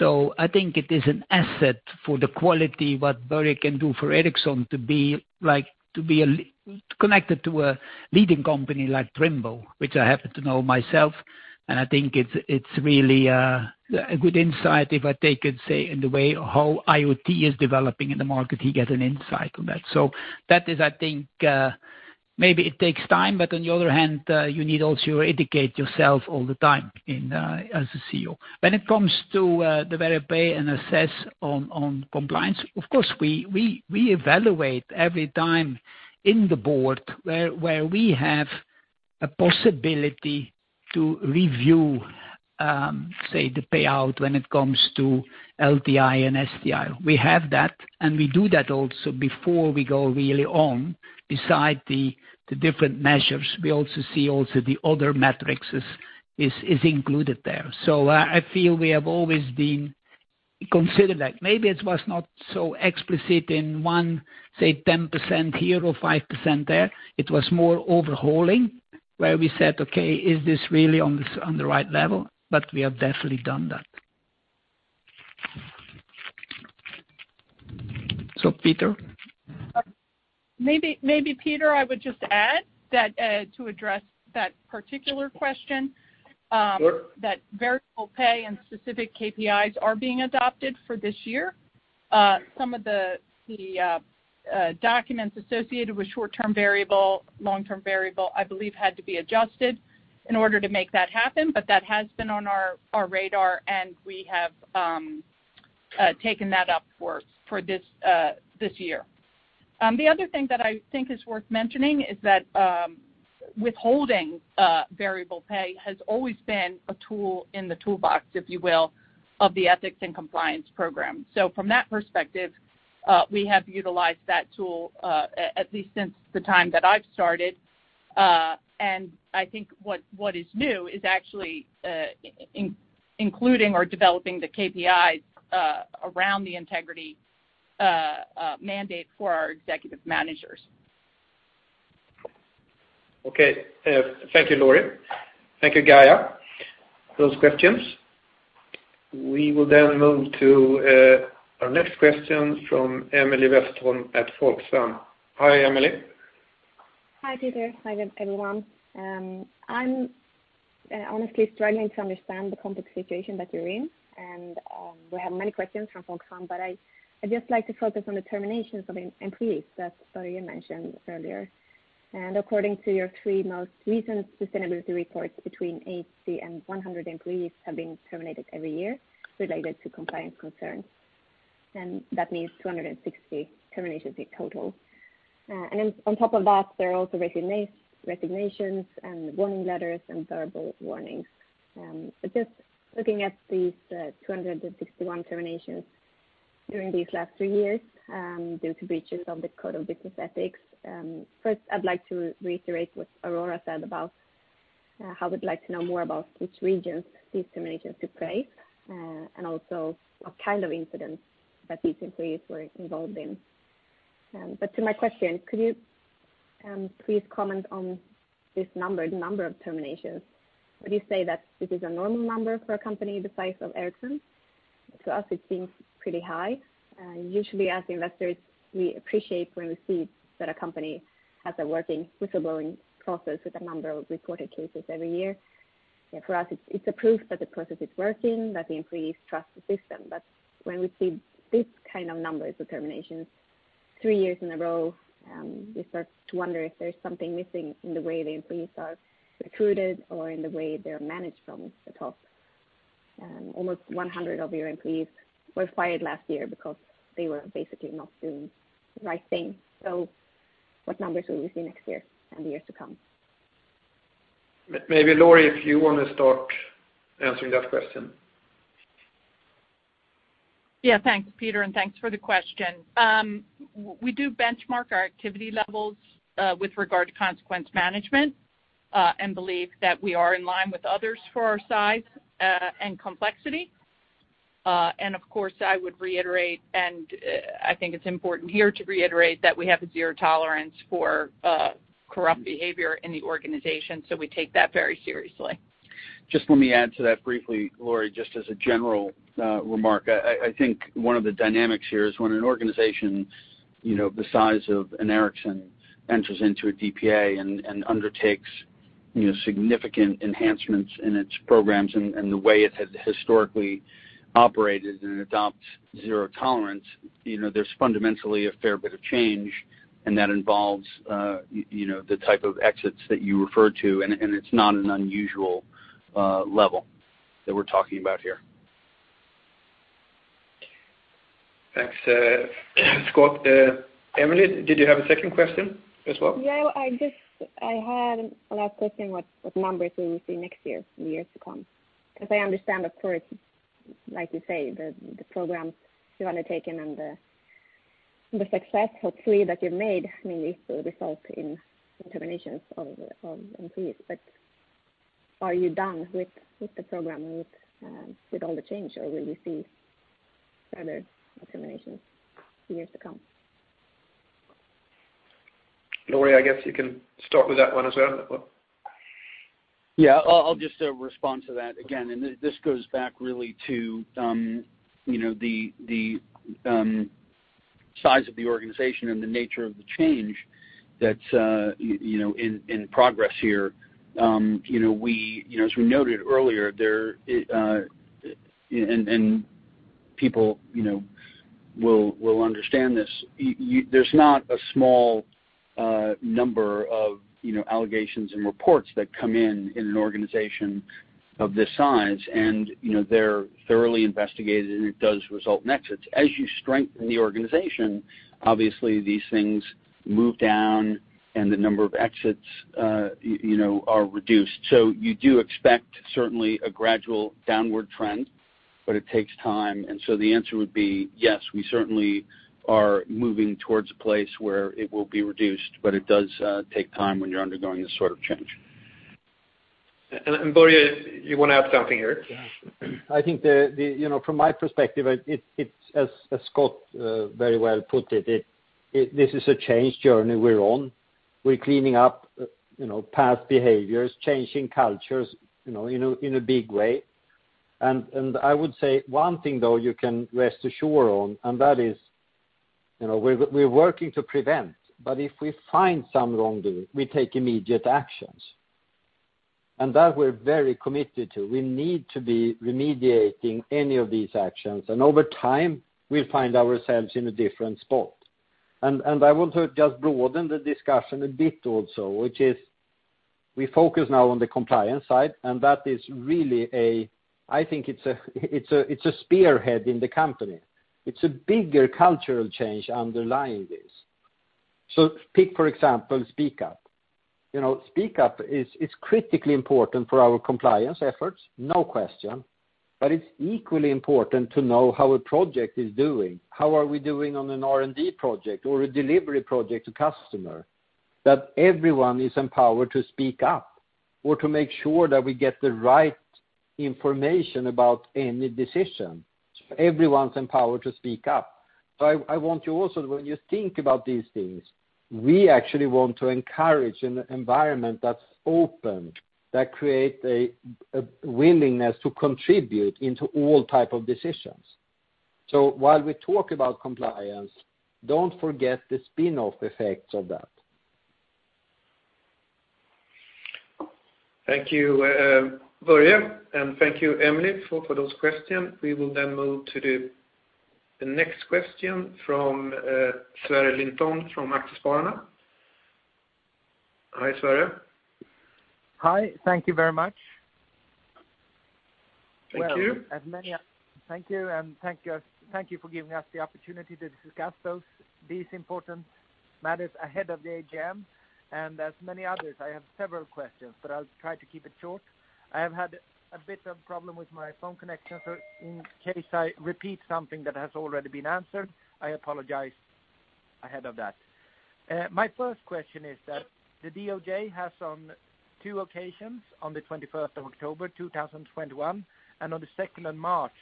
I think it is an asset for the quality what Börje can do for Ericsson to be like, to be connected to a leading company like Trimble, which I happen to know myself. I think it's really a good insight if I take it, say, in the way how IoT is developing in the market, he gets an insight on that. That is, I think, maybe it takes time, but on the other hand, you need also to educate yourself all the time in, as a CEO. When it comes to the variable pay and assess on compliance, of course, we evaluate every time in the board where we have a possibility to review, say the payout when it comes to LTI and STI. We have that, and we do that also before we go really on. Beside the different measures, we also see the other metrics is included there. I feel we have always been considered that. Maybe it was not so explicit in one, say, 10% here or 5% there. It was more overhauling, where we said, "Okay, is this really on the right level?" But we have definitely done that. Peter? Maybe Peter, I would just add that, to address that particular question Sure... that variable pay and specific KPIs are being adopted for this year. Some of the documents associated with short-term variable, long-term variable, I believe, had to be adjusted in order to make that happen, but that has been on our radar, and we have taken that up for this year. The other thing that I think is worth mentioning is that withholding variable pay has always been a tool in the toolbox, if you will, of the ethics and compliance program. From that perspective, we have utilized that tool at least since the time that I've started. I think what is new is actually including or developing the KPIs around the integrity mandate for our executive managers. Okay. Thank you, Laurie. Thank you, Gaia, for those questions. We will then move to our next question from Emilie Westholm at Folksam. Hi, Emilie. Hi, Peter. Hi, everyone. I'm honestly struggling to understand the complex situation that you're in, and we have many questions from Folksam, but I'd just like to focus on the terminations of employees that Börje mentioned earlier. According to your three most recent sustainability reports, between 80-100 employees have been terminated every year related to compliance concerns. That means 260 terminations in total. Then on top of that, there are also resignations and warning letters and verbal warnings. Just looking at these 261 terminations during these last three years, due to breaches of the Code of Business Ethics, first I'd like to reiterate what Aurora said about, how we'd like to know more about which regions these terminations took place, and also what kind of incidents that these employees were involved in. To my question, could you please comment on this number, the number of terminations? Would you say that this is a normal number for a company the size of Ericsson? To us, it seems pretty high. Usually as investors, we appreciate when we see that a company has a working whistleblowing process with a number of reported cases every year. Yeah, for us, it's a proof that the process is working, that the employees trust the system. But when we see this kind of numbers of terminations three years in a row, we start to wonder if there's something missing in the way the employees are recruited or in the way they're managed from the top. Almost 100 of your employees were fired last year because they were basically not doing the right thing. What numbers will we see next year and the years to come? Maybe, Laurie, if you wanna start answering that question. Yeah. Thanks, Peter, and thanks for the question. We do benchmark our activity levels with regard to consequence management, and believe that we are in line with others for our size and complexity. Of course, I would reiterate, and I think it's important here to reiterate that we have a zero tolerance for corrupt behavior in the organization, so we take that very seriously. Just let me add to that briefly, Laurie, just as a general remark. I think one of the dynamics here is when an organization, you know, the size of an Ericsson enters into a DPA and undertakes, you know, significant enhancements in its programs and the way it has historically operated and adopts zero tolerance, you know, there's fundamentally a fair bit of change, and that involves, you know, the type of exits that you referred to, and it's not an unusual level that we're talking about here. Thanks, Scott. Emilie, did you have a second question as well? Yeah. I had a last question, what numbers will we see next year and years to come? Because I understand, of course, like you say, the programs you've undertaken and the success hopefully that you've made, I mean, it will result in terminations of employees. But are you done with the program, with all the change, or will we see further terminations in years to come? Laurie, I guess you can start with that one as well. Yeah. I'll just respond to that. Again, this goes back really to you know the size of the organization and the nature of the change that's you know in progress here. You know, we, you know, as we noted earlier there and people, you know, will understand this. There's not a small number of, you know, allegations and reports that come in in an organization of this size, and you know, they're thoroughly investigated, and it does result in exits. As you strengthen the organization, obviously these things move down, and the number of exits you know are reduced. You do expect certainly a gradual downward trend, but it takes time, and so the answer would be, yes, we certainly are moving towards a place where it will be reduced, but it does take time when you're undergoing this sort of change. Börje, you wanna add something here? Yeah. I think, you know, from my perspective, as Scott very well put it this is a change journey we're on. We're cleaning up, you know, past behaviors, changing cultures, you know, in a big way. I would say one thing though you can rest assured on, and that is, you know, we're working to prevent, but if we find some wrongdoing, we take immediate actions. That we're very committed to. We need to be remediating any of these actions, and over time, we'll find ourselves in a different spot. I want to just broaden the discussion a bit also, which is we focus now on the compliance side, and that is really a, I think it's a spearhead in the company. It's a bigger cultural change underlying this. Take for example Speak Up. You know, Speak Up is critically important for our compliance efforts, no question. But it's equally important to know how a project is doing. How are we doing on an R&D project or a delivery project to customer, that everyone is empowered to speak up or to make sure that we get the right information about any decision. Everyone's empowered to speak up. I want you also, when you think about these things, we actually want to encourage an environment that's open, that create a willingness to contribute into all type of decisions. While we talk about compliance, don't forget the spin-off effects of that. Thank you, Börje, and thank you, Emilie, for those question. We will then move to the next question from Sverre Linton from Aktiespararna. Hi, Sverre. Hi. Thank you very much. Thank you. Thank you, and thank you, thank you for giving us the opportunity to discuss those, these important matters ahead of the AGM. As many others, I have several questions, but I'll try to keep it short. I have had a bit of problem with my phone connection, so in case I repeat something that has already been answered, I apologize ahead of that. My first question is that the DOJ has on two occasions, on the 21st of October 2021 and on the 2nd of March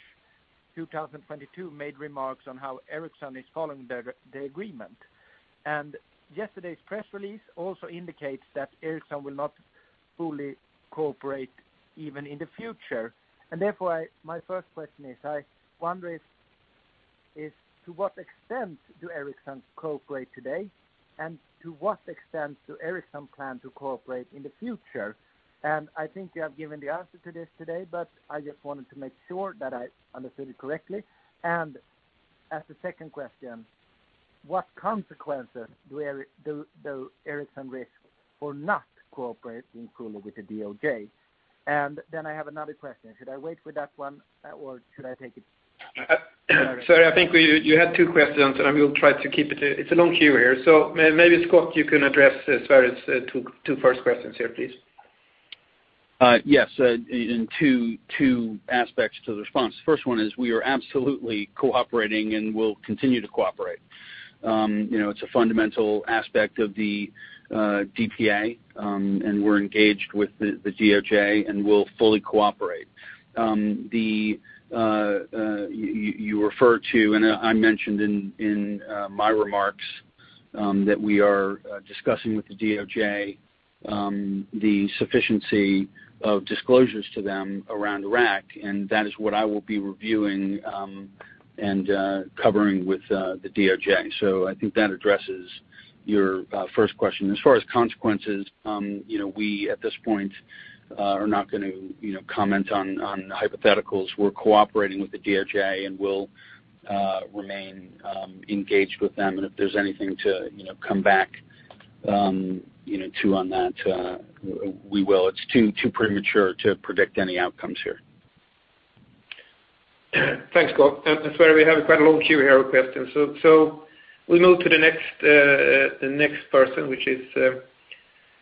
2022, made remarks on how Ericsson is following the agreement. Yesterday's press release also indicates that Ericsson will not fully cooperate even in the future. Therefore, my first question is, I wonder if to what extent do Ericsson cooperate today, and to what extent do Ericsson plan to cooperate in the future? I think you have given the answer to this today, but I just wanted to make sure that I understood it correctly. As the second question, what consequences do Ericsson risk for not cooperating fully with the DOJ? And then I have another question. Should I wait for that one or should I take it? Sorry, I think you had two questions, and we'll try to keep it. It's a long queue here. Maybe, Scott, you can address Sverre's two first questions here, please. Yes, in two aspects to the response. First one is we are absolutely cooperating and will continue to cooperate. You know, it's a fundamental aspect of the DPA, and we're engaged with the DOJ, and we'll fully cooperate. The one you refer to, and I mentioned in my remarks, that we are discussing with the DOJ the sufficiency of disclosures to them around Iraq, and that is what I will be reviewing, and covering with the DOJ. I think that addresses your first question. As far as consequences, you know, we at this point are not going to, you know, comment on hypotheticals. We're cooperating with the DOJ, and we'll remain engaged with them. If there's anything to, you know, come back, you know, to on that, we will. It's too premature to predict any outcomes here. Thanks, Scott. Sverre, we have quite a long queue here of questions. We move to the next person, which is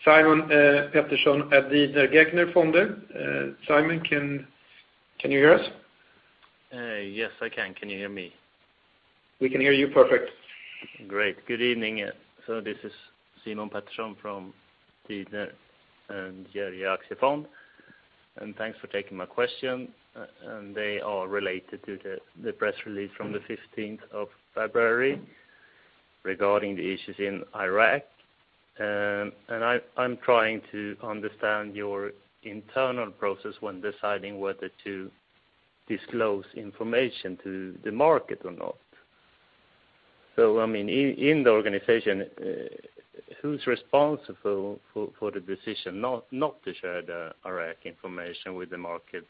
Simon Peterson at Didner & Gerge Fonder. Simon, can you hear us? Yes, I can. Can you hear me? We can hear you perfect. Great. Good evening. This is Simon Peterson from Didner & Gerge Fonder. Thanks for taking my question. They are related to the press release from the 15th of February regarding the issues in Iraq. I'm trying to understand your internal process when deciding whether to disclose information to the market or not. I mean, in the organization, who's responsible for the decision not to share the Iraq information with the market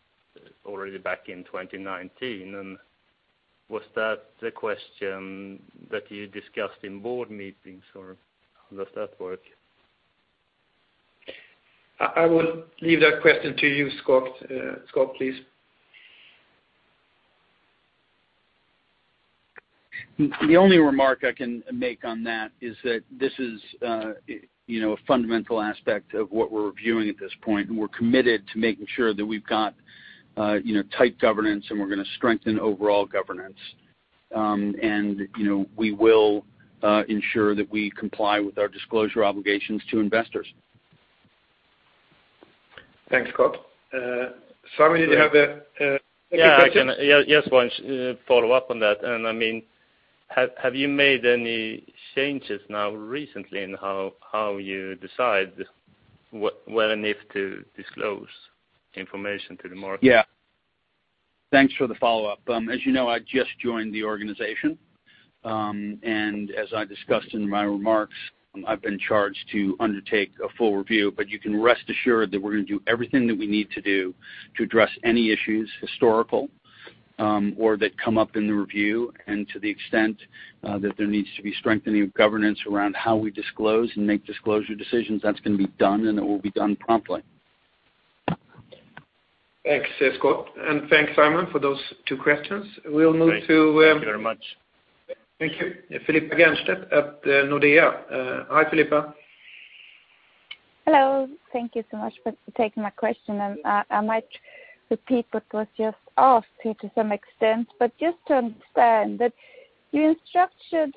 already back in 2019? Was that the question that you discussed in board meetings, or how does that work? I will leave that question to you, Scott. Scott, please. The only remark I can make on that is that this is, you know, a fundamental aspect of what we're reviewing at this point, and we're committed to making sure that we've got, you know, tight governance, and we're gonna strengthen overall governance. You know, we will ensure that we comply with our disclosure obligations to investors. Thanks, Scott. Simon, did you have a? Yes, one follow-up on that. I mean, have you made any changes now recently in how you decide when and if to disclose information to the market? Yeah. Thanks for the follow-up. As you know, I just joined the organization. As I discussed in my remarks, I've been charged to undertake a full review, but you can rest assured that we're gonna do everything that we need to do to address any issues, historical, or that come up in the review. To the extent that there needs to be strengthening of governance around how we disclose and make disclosure decisions, that's gonna be done, and it will be done promptly. Thanks, Scott. Thanks, Simon, for those two questions. We'll move to, Thank you very much. Thank you. Filippa Gerstädt at Nordea. Hi, Filippa. Hello. Thank you so much for taking my question. I might repeat what was just asked here to some extent. Just to understand that you instructed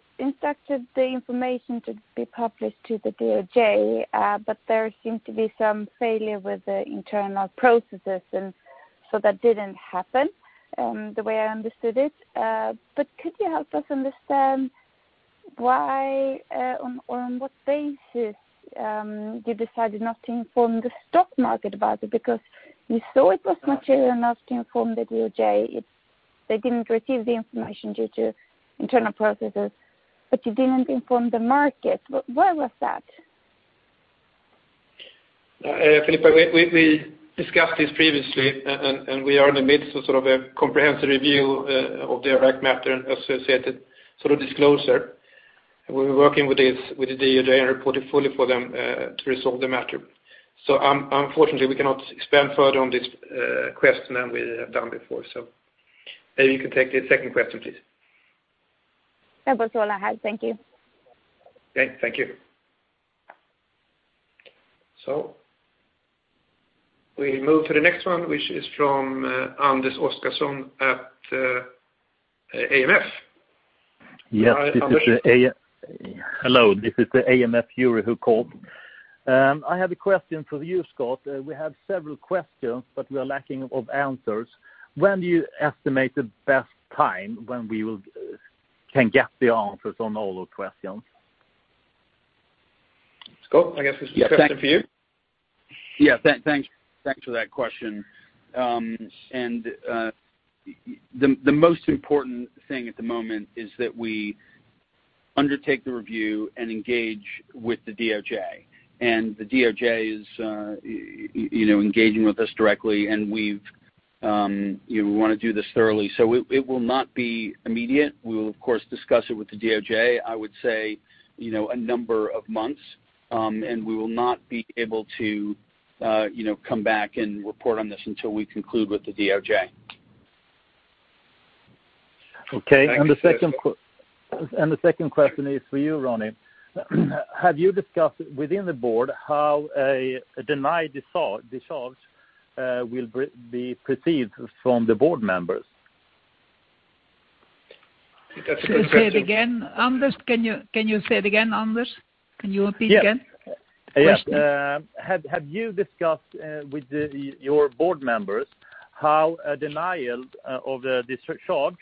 the information to be published to the DOJ, but there seemed to be some failure with the internal processes and so that didn't happen, the way I understood it. Could you help us understand why, or on what basis, you decided not to inform the stock market about it? Because you saw it was material enough to inform the DOJ if they didn't receive the information due to internal processes, but you didn't inform the market. Why was that? Filippa, we discussed this previously, and we are in the midst of sort of a comprehensive review of the Iraq matter and associated sort of disclosure. We're working with the DOJ and reporting fully for them to resolve the matter. Unfortunately, we cannot expand further on this question than we have done before. Maybe you can take the second question, please. That was all I had. Thank you. Okay. Thank you. We move to the next one, which is from Anders Oscarsson at AMF. Hello, this is the AMF [URI] who called. I have a question for you, Scott. We have several questions, but we are lacking of answers. When do you estimate the best time when we will can get the answers on all those questions? Scott, I guess this question's for you. Yeah. Thanks for that question. The most important thing at the moment is that we undertake the review and engage with the DOJ. The DOJ is, you know, engaging with us directly, and we've, you know, we wanna do this thoroughly, so it will not be immediate. We will, of course, discuss it with the DOJ. I would say, you know, a number of months, and we will not be able to, you know, come back and report on this until we conclude with the DOJ. Okay. Thank you, Scott. The second question is for you, Ronnie. Have you discussed within the board how a denied discharge will be perceived from the board members? I think that's a good question. Say it again. Anders, can you say it again, Anders? Can you repeat again? Yes. Question. Yeah. Have you discussed with your board members how a denial of the discharge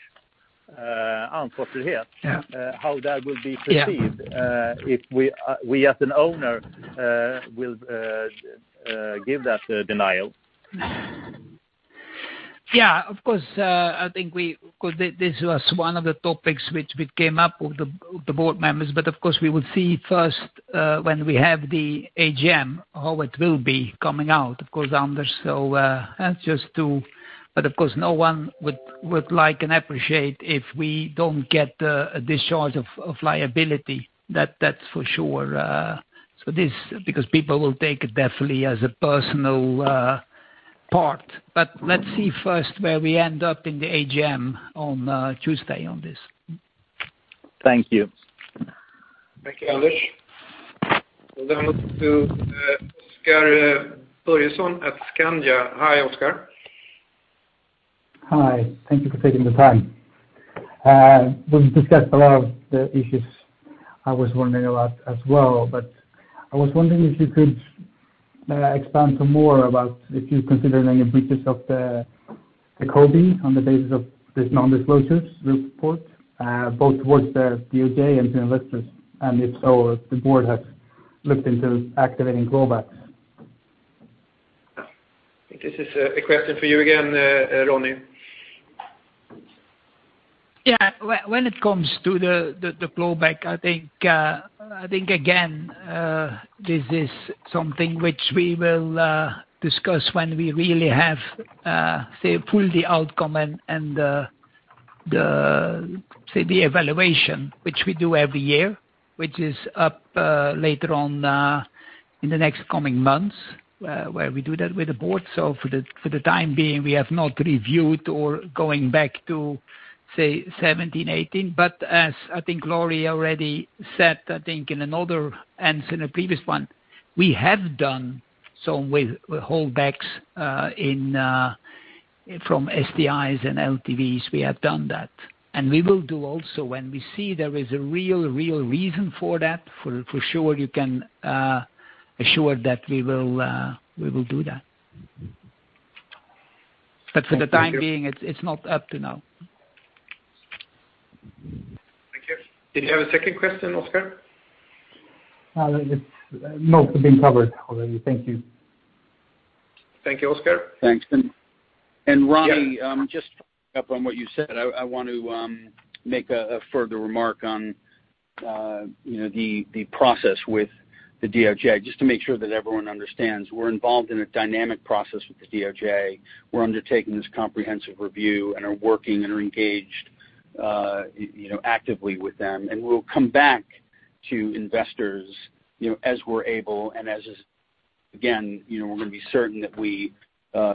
answer to here- Yeah. how that will be perceived. Yeah. If we as an owner will give that denial? Yeah. Of course, this was one of the topics which we came up with the board members, but of course we will see first when we have the AGM, how it will be coming out. Of course, Anders. Of course, no one would like and appreciate if we don't get a discharge of liability. That's for sure. Because people will take it definitely as a personal part. Let's see first where we end up in the AGM on Tuesday on this. Thank you. Thank you, Anders. We'll now move to Oscar Börjesson at Skandia. Hi, Oscar. Hi. Thank you for taking the time. We've discussed a lot of the issues I was wondering about as well, but I was wondering if you could expand some more about if you consider any breaches of the code on the basis of this non-disclosure report, both towards the DOJ and to investors, and if so, the board has looked into activating clawback. I think this is a question for you again, Ronnie. When it comes to the clawback, I think, again, this is something which we will discuss when we really have full outcome and the evaluation, which we do every year, which is up later on in the next coming months, where we do that with the board. For the time being, we have not reviewed or going back to 2017, 2018. But as I think Laurie already said, I think in another answer in the previous one, we have done some with holdbacks in some STIs and LTIs. We have done that. We will do also when we see there is a real reason for that, for sure, you can assure that we will do that. Thank you. For the time being, it's not up to now. Thank you. Did you have a second question, Oscar? It's mostly been covered already. Thank you. Thank you, Oscar. Thanks. Ronnie. Yeah. Just to follow up on what you said, I want to make a further remark on, you know, the process with the DOJ, just to make sure that everyone understands. We're involved in a dynamic process with the DOJ. We're undertaking this comprehensive review and are working and are engaged, you know, actively with them. We'll come back to investors, you know, as we're able and as is. Again, you know, we're gonna be certain that we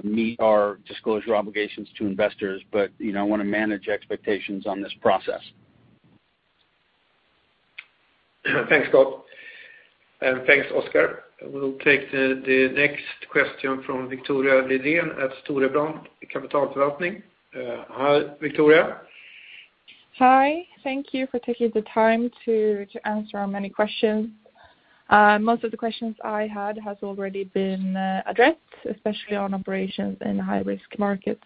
meet our disclosure obligations to investors. I wanna manage expectations on this process. Thanks, Scott. Thanks, Oscar. We'll take the next question from Victoria Lidén at Storebrand Kapitalforvaltning. Hi, Victoria. Hi. Thank you for taking the time to answer our many questions. Most of the questions I had has already been addressed, especially on operations in high-risk markets,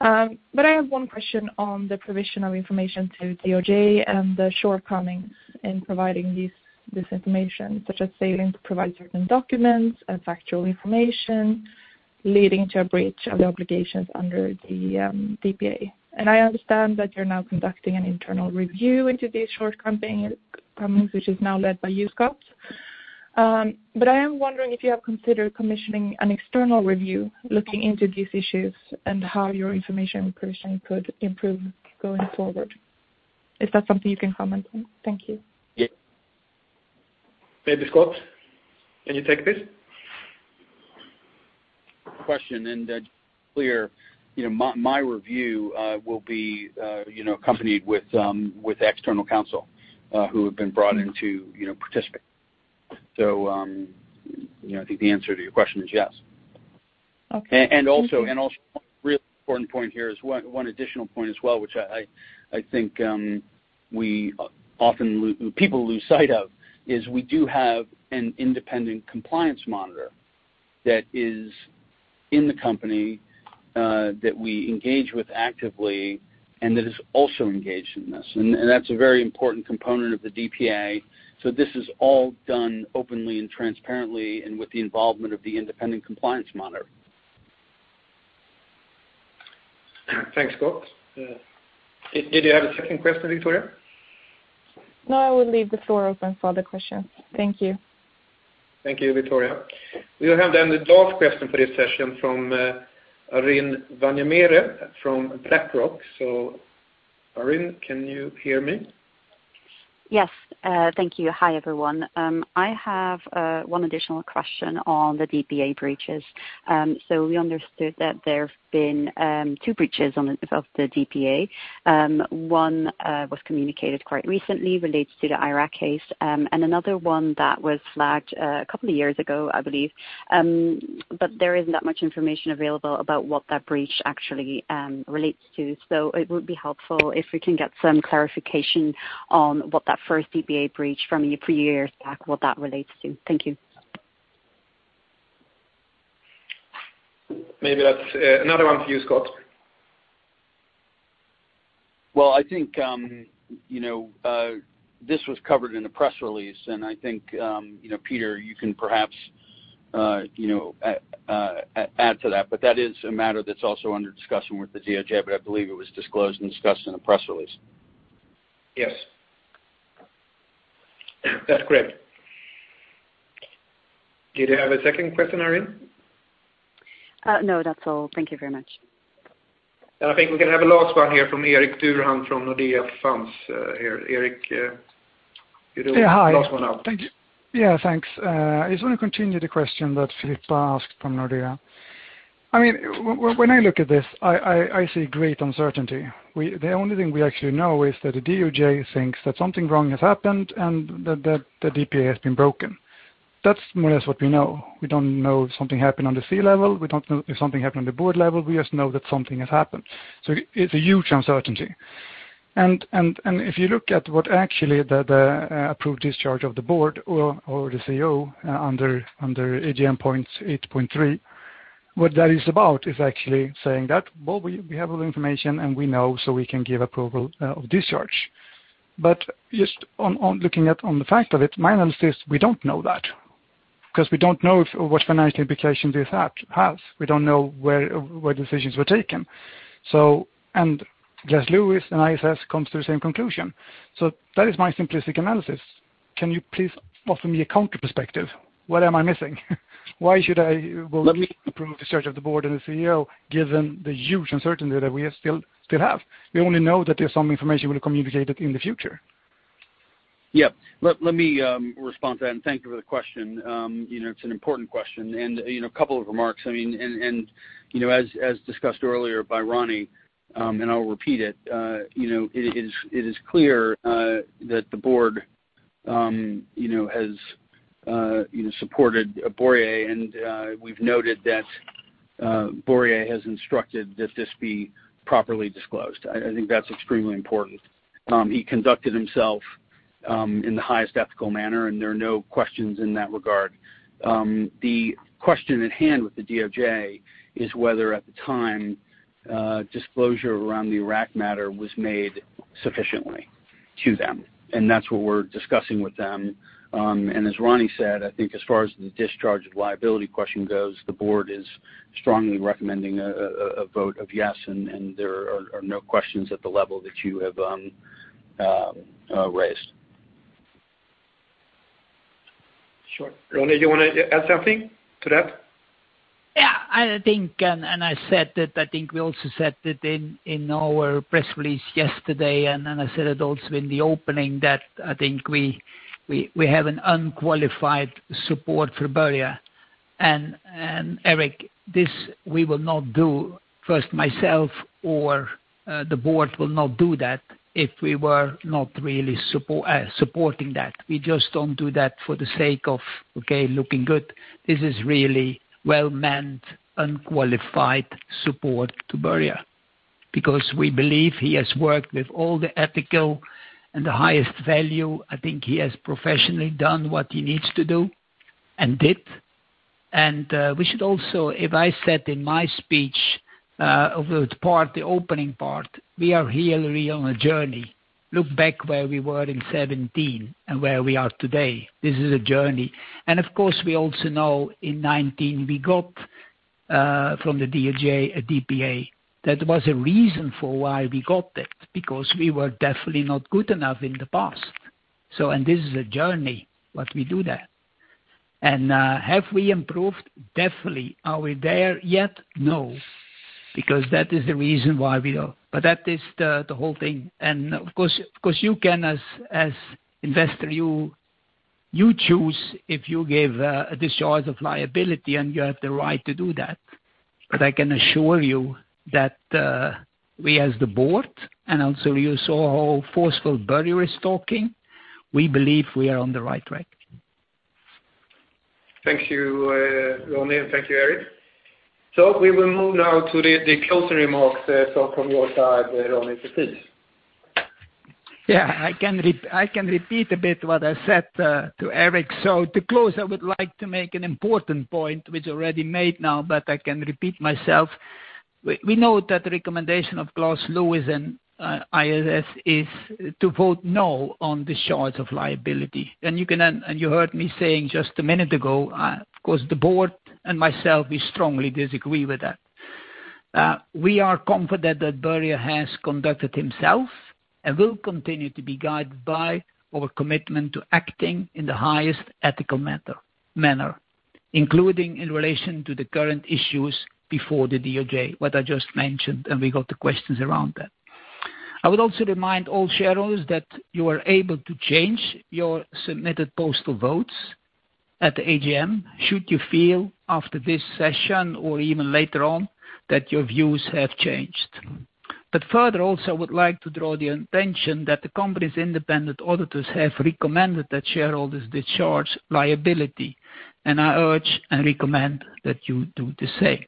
but I have one question on the provision of information to DOJ and the shortcomings in providing this information, such as failing to provide certain documents and factual information leading to a breach of the obligations under the DPA. I understand that you're now conducting an internal review into these shortcoming, which is now led by you, Scott. I am wondering if you have considered commissioning an external review looking into these issues and how your information provision could improve going forward. Is that something you can comment on? Thank you. Yeah. Maybe, Scott, can you take this? Question is clear, you know, my review will be, you know, accompanied with external counsel who have been brought in to, you know, participate. I think the answer to your question is yes. Okay. Also really important point here is one additional point as well, which I think we often people lose sight of, is we do have an independent compliance monitor that is in the company, that we engage with actively and that is also engaged in this. That's a very important component of the DPA. This is all done openly and transparently and with the involvement of the independent compliance monitor. Thanks, Scott. Did you have a second question, Victoria? No, I will leave the floor open for other questions. Thank you. Thank you, Victoria. We will have then the last question for this session from Arin Verma from BlackRock. Arin, can you hear me? Yes. Thank you. Hi, everyone. I have one additional question on the DPA breaches. We understood that there have been two breaches of the DPA. One was communicated quite recently, relates to the Iraq case, and another one that was flagged a couple of years ago, I believe, but there isn't that much information available about what that breach actually relates to. It would be helpful if we can get some clarification on what that first DPA breach from a few years back, what that relates to. Thank you. Maybe that's, another one for you, Scott. Well, I think, you know, this was covered in the press release, and I think, you know, Peter, you can perhaps, you know, add to that, but that is a matter that's also under discussion with the DOJ, but I believe it was disclosed and discussed in the press release. Yes. That's great. Did you have a second question, Arin? No, that's all. Thank you very much. I think we can have a last one here from Erik Durhan from Nordea Funds, here. Erik, you do Yeah. Hi. Last one out. Thank you. Yeah, thanks. I just want to continue the question that Filippa asked from Nordea. I mean, when I look at this, I see great uncertainty. The only thing we actually know is that the DOJ thinks that something wrong has happened and that the DPA has been broken. That's more or less what we know. We don't know if something happened on the C-level, we don't know if something happened on the board level, we just know that something has happened. It's a huge uncertainty. If you look at what actually approved discharge of the board or the CEO under AGM point 8.3, what that is about is actually saying that, "Well, we have all the information and we know, so we can give approval of discharge." But just on looking at the fact of it, my analysis, we don't know that. Because we don't know if or what financial implication this has. We don't know where decisions were taken. Glass Lewis and ISS comes to the same conclusion. That is my simplistic analysis. Can you please offer me a counter perspective? What am I missing? Why should I willingly approve the discharge of the board and the CEO, given the huge uncertainty that we still have? We only know that there's some information we'll communicate in the future. Yeah. Let me respond to that, and thank you for the question. You know, it's an important question and, you know, a couple of remarks. I mean, you know, as discussed earlier by Ronnie, and I'll repeat it, you know, it is clear that the board, you know, has, you know, supported Börje Ekholm, and, we've noted that, Börje Ekholm has instructed that this be properly disclosed. I think that's extremely important. He conducted himself in the highest ethical manner, and there are no questions in that regard. The question at hand with the DOJ is whether at the time, disclosure around the Iraq matter was made sufficiently to them, and that's what we're discussing with them. As Ronnie said, I think as far as the discharge of liability question goes, the board is strongly recommending a vote of yes, and there are no questions at the level that you have raised. Sure. Ronnie, do you wanna add something to that? Yeah. I think, and I said that I think we also said it in our press release yesterday, and then I said it also in the opening that I think we have an unqualified support for Börje. Eric, this we will not do, first myself or the board will not do that if we were not really supporting that. We just don't do that for the sake of, okay, looking good. This is really well meant, unqualified support to Börje. Because we believe he has worked with all the ethical and the highest value. I think he has professionally done what he needs to do and did. We should also. If I said in my speech, over the part, the opening part, we are really on a journey. Look back where we were in 2017 and where we are today. This is a journey. Of course, we also know in 2019, we got from the DOJ a DPA. That was a reason for why we got it, because we were definitely not good enough in the past. This is a journey, but we do that. Have we improved? Definitely. Are we there yet? No. Because that is the reason why we are. That is the whole thing. Of course, you can as investor, you choose if you give a discharge of liability and you have the right to do that. I can assure you that, we as the board, and also you saw how forceful Börje was talking, we believe we are on the right track. Thank you, Ronnie, and thank you, Eric. We will move now to the closing remarks, so from your side, Ronnie, please. I can repeat a bit what I said to Eric. To close, I would like to make an important point which I already made now, but I can repeat myself. We know that the recommendation of Glass Lewis and ISS is to vote no on discharge of liability. You heard me saying just a minute ago, of course, the board and myself, we strongly disagree with that. We are confident that Börje has conducted himself and will continue to be guided by our commitment to acting in the highest ethical manner, including in relation to the current issues before the DOJ, what I just mentioned, and we got the questions around that. I would also remind all shareholders that you are able to change your submitted postal votes at the AGM should you feel after this session or even later on that your views have changed. Further, also, I would like to draw the attention that the company's independent auditors have recommended that shareholders discharge liability, and I urge and recommend that you do the same.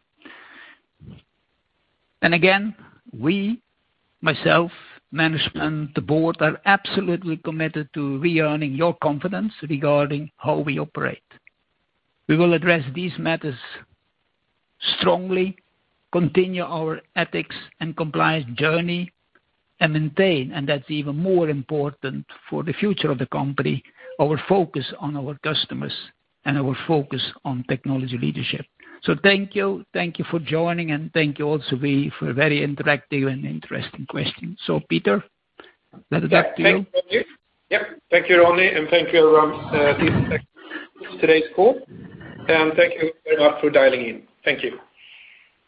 Again, we, myself, management, the board, are absolutely committed to re-earning your confidence regarding how we operate. We will address these matters strongly, continue our ethics and compliance journey, and maintain, and that's even more important for the future of the company, our focus on our customers and our focus on technology leadership. Thank you. Thank you for joining, and thank you also for a very interactive and interesting questions. Peter, back to you. Yep. Thank you, Ronnie, and thank you, everyone, for today's call. Thank you very much for dialing in. Thank you.